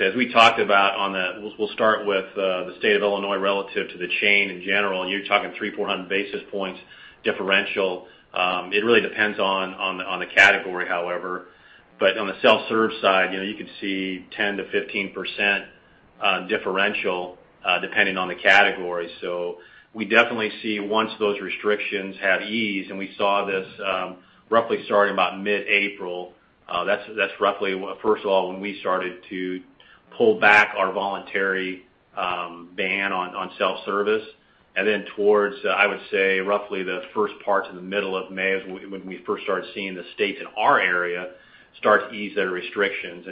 As we talked about, we'll start with the State of Illinois relative to the chain in general. You're talking 3,400 basis points differential. It really depends on the category, however. On the self-serve side, you could see 10-15% differential depending on the category. We definitely see once those restrictions have eased, and we saw this roughly starting about mid-April. That's roughly, first of all, when we started to pull back our voluntary ban on self-service. Towards, I would say, roughly the first parts of the middle of May is when we first started seeing the states in our area start to ease their restrictions.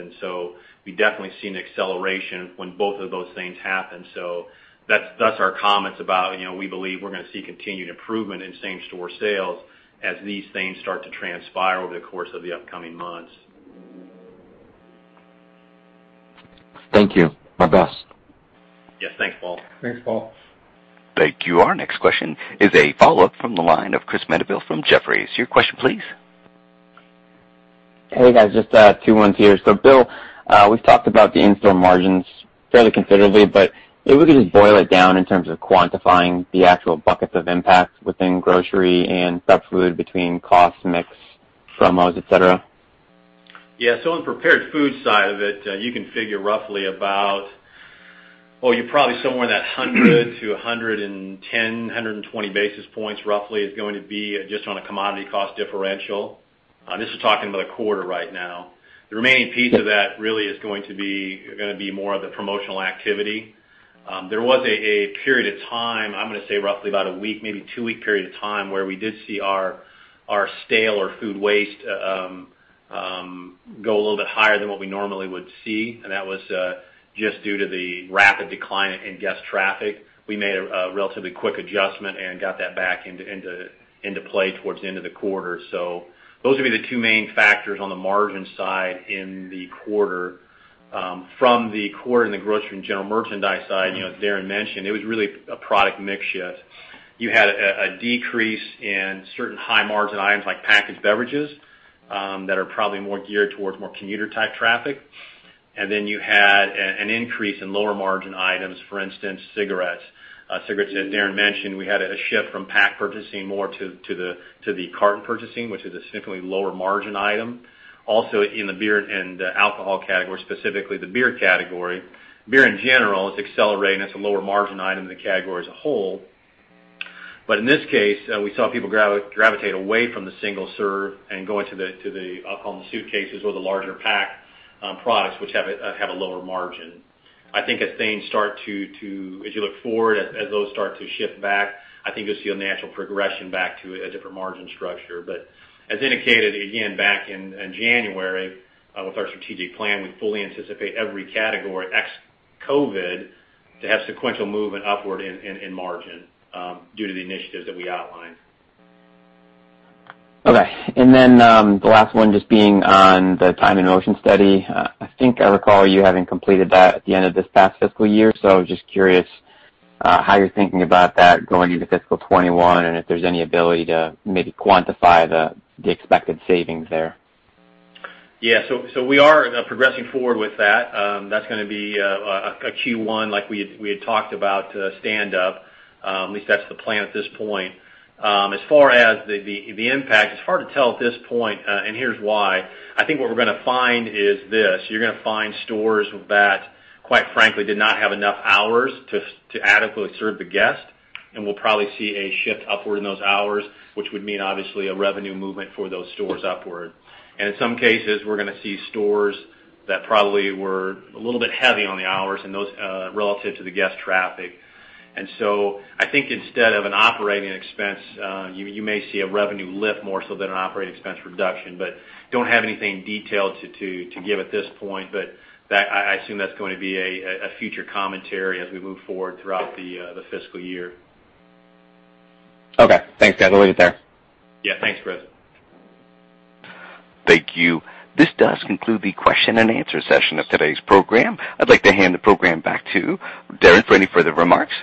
We definitely see an acceleration when both of those things happen. That is our comments about we believe we are going to see continued improvement in same-store sales as these things start to transpire over the course of the upcoming months. Thank you. My best. Yes. Thanks, Paul. Thanks, Paul. Thank you. Our next question is a follow-up from the line of Chris Mandeville from Jefferies. Your question, please. Hey, guys. Just two ones here. Bill, we have talked about the in-store margins fairly considerably, but if we could just boil it down in terms of quantifying the actual buckets of impact within grocery and sub-food between cost mix, promos, etc. Yeah. On the prepared food side of it, you can figure roughly about, well, you're probably somewhere in that 100-110, 120 basis points roughly is going to be just on a commodity cost differential. This is talking about a quarter right now. The remaining piece of that really is going to be more of the promotional activity. There was a period of time, I'm going to say roughly about a week, maybe two-week period of time where we did see our stale or food waste go a little bit higher than what we normally would see. That was just due to the rapid decline in guest traffic. We made a relatively quick adjustment and got that back into play towards the end of the quarter. Those would be the two main factors on the margin side in the quarter. From the quarter in the grocery and general merchandise side, as Darren mentioned, it was really a product mix shift. You had a decrease in certain high-margin items like packaged beverages that are probably more geared towards more commuter-type traffic. You had an increase in lower-margin items, for instance, cigarettes. Cigarettes, as Darren mentioned, we had a shift from pack purchasing more to the carton purchasing, which is a significantly lower-margin item. Also in the beer and alcohol category, specifically the beer category. Beer in general is accelerating. It is a lower-margin item in the category as a whole. In this case, we saw people gravitate away from the single-serve and going to the, I'll call them the suitcases or the larger pack products, which have a lower margin. I think as things start to, as you look forward, as those start to shift back, I think you'll see a natural progression back to a different margin structure. As indicated, again, back in January with our strategic plan, we fully anticipate every category ex-COVID to have sequential movement upward in margin due to the initiatives that we outlined. Okay. The last one just being on the time and motion study. I think I recall you having completed that at the end of this past fiscal year. Just curious how you're thinking about that going into fiscal 2021 and if there's any ability to maybe quantify the expected savings there. Yeah. We are progressing forward with that. That's going to be a Q1 like we had talked about stand-up. At least that's the plan at this point. As far as the impact, it's hard to tell at this point, and here's why. I think what we're going to find is this. You're going to find stores that, quite frankly, did not have enough hours to adequately serve the guest. We'll probably see a shift upward in those hours, which would mean, obviously, a revenue movement for those stores upward. In some cases, we're going to see stores that probably were a little bit heavy on the hours relative to the guest traffic. I think instead of an operating expense, you may see a revenue lift more so than an operating expense reduction. I don't have anything detailed to give at this point, but I assume that's going to be a future commentary as we move forward throughout the fiscal year. Okay. Thanks, guys. I'll leave it there. Yeah. Thanks, Chris. Thank you. This does conclude the question and answer session of today's program. I'd like to hand the program back to Darren for any further remarks.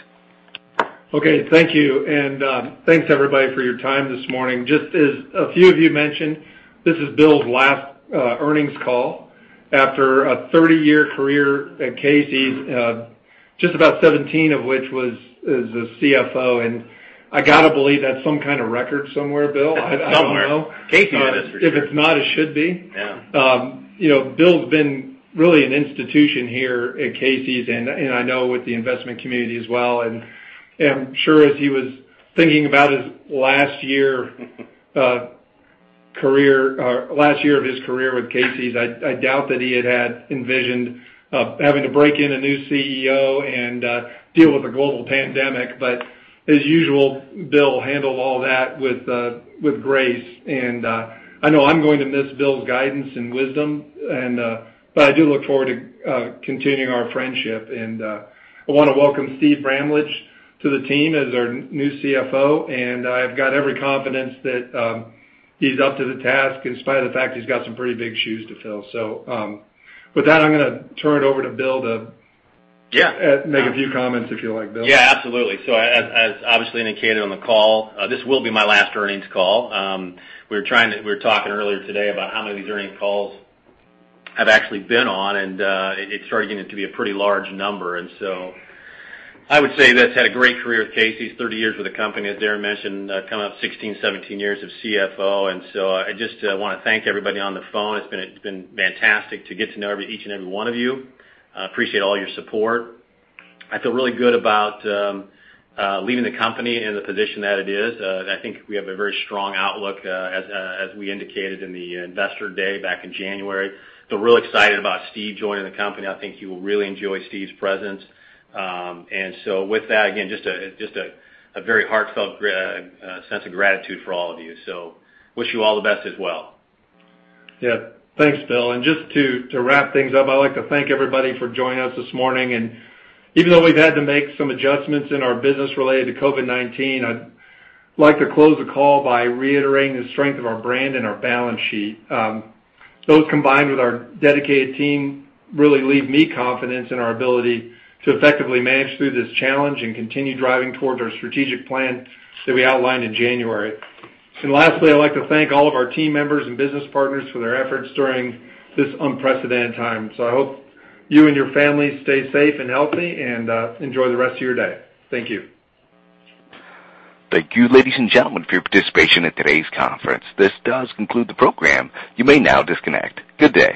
Okay. Thank you. And thanks, everybody, for your time this morning. Just as a few of you mentioned, this is Bill's last earnings call after a 30-year career at Casey's, just about 17 of which was as a CFO. I got to believe that's some kind of record somewhere, Bill. I don't know. Somewhere. Casey's an institution. If it's not, it should be. Bill's been really an institution here at Casey's, and I know with the investment community as well. I'm sure as he was thinking about his last year of his career with Casey's, I doubt that he had envisioned having to break in a new CEO and deal with a global pandemic. As usual, Bill handled all that with grace. I know I'm going to miss Bill's guidance and wisdom, but I do look forward to continuing our friendship. I want to welcome Steve Bramlage to the team as our new CFO. I've got every confidence that he's up to the task in spite of the fact he's got some pretty big shoes to fill. With that, I'm going to turn it over to Bill to make a few comments if you like, Bill. Yeah. Absolutely. As obviously indicated on the call, this will be my last earnings call. We were talking earlier today about how many of these earnings calls I've actually been on, and it started getting to be a pretty large number. I would say that's had a great career at Casey's, 30 years with the company, as Darren mentioned, coming up 16, 17 years of CFO. I just want to thank everybody on the phone. It's been fantastic to get to know each and every one of you. I appreciate all your support. I feel really good about leaving the company in the position that it is. I think we have a very strong outlook as we indicated in the Investor Day back in January. I feel real excited about Steve joining the company. I think you will really enjoy Steve's presence. With that, again, just a very heartfelt sense of gratitude for all of you. I wish you all the best as well. Yeah. Thanks, Bill. Just to wrap things up, I'd like to thank everybody for joining us this morning. Even though we've had to make some adjustments in our business related to COVID-19, I'd like to close the call by reiterating the strength of our brand and our balance sheet. Those combined with our dedicated team really leave me confidence in our ability to effectively manage through this challenge and continue driving towards our strategic plan that we outlined in January. Lastly, I'd like to thank all of our team members and business partners for their efforts during this unprecedented time. I hope you and your families stay safe and healthy and enjoy the rest of your day. Thank you. Thank you, ladies and gentlemen, for your participation in today's conference. This does conclude the program. You may now disconnect. Good day.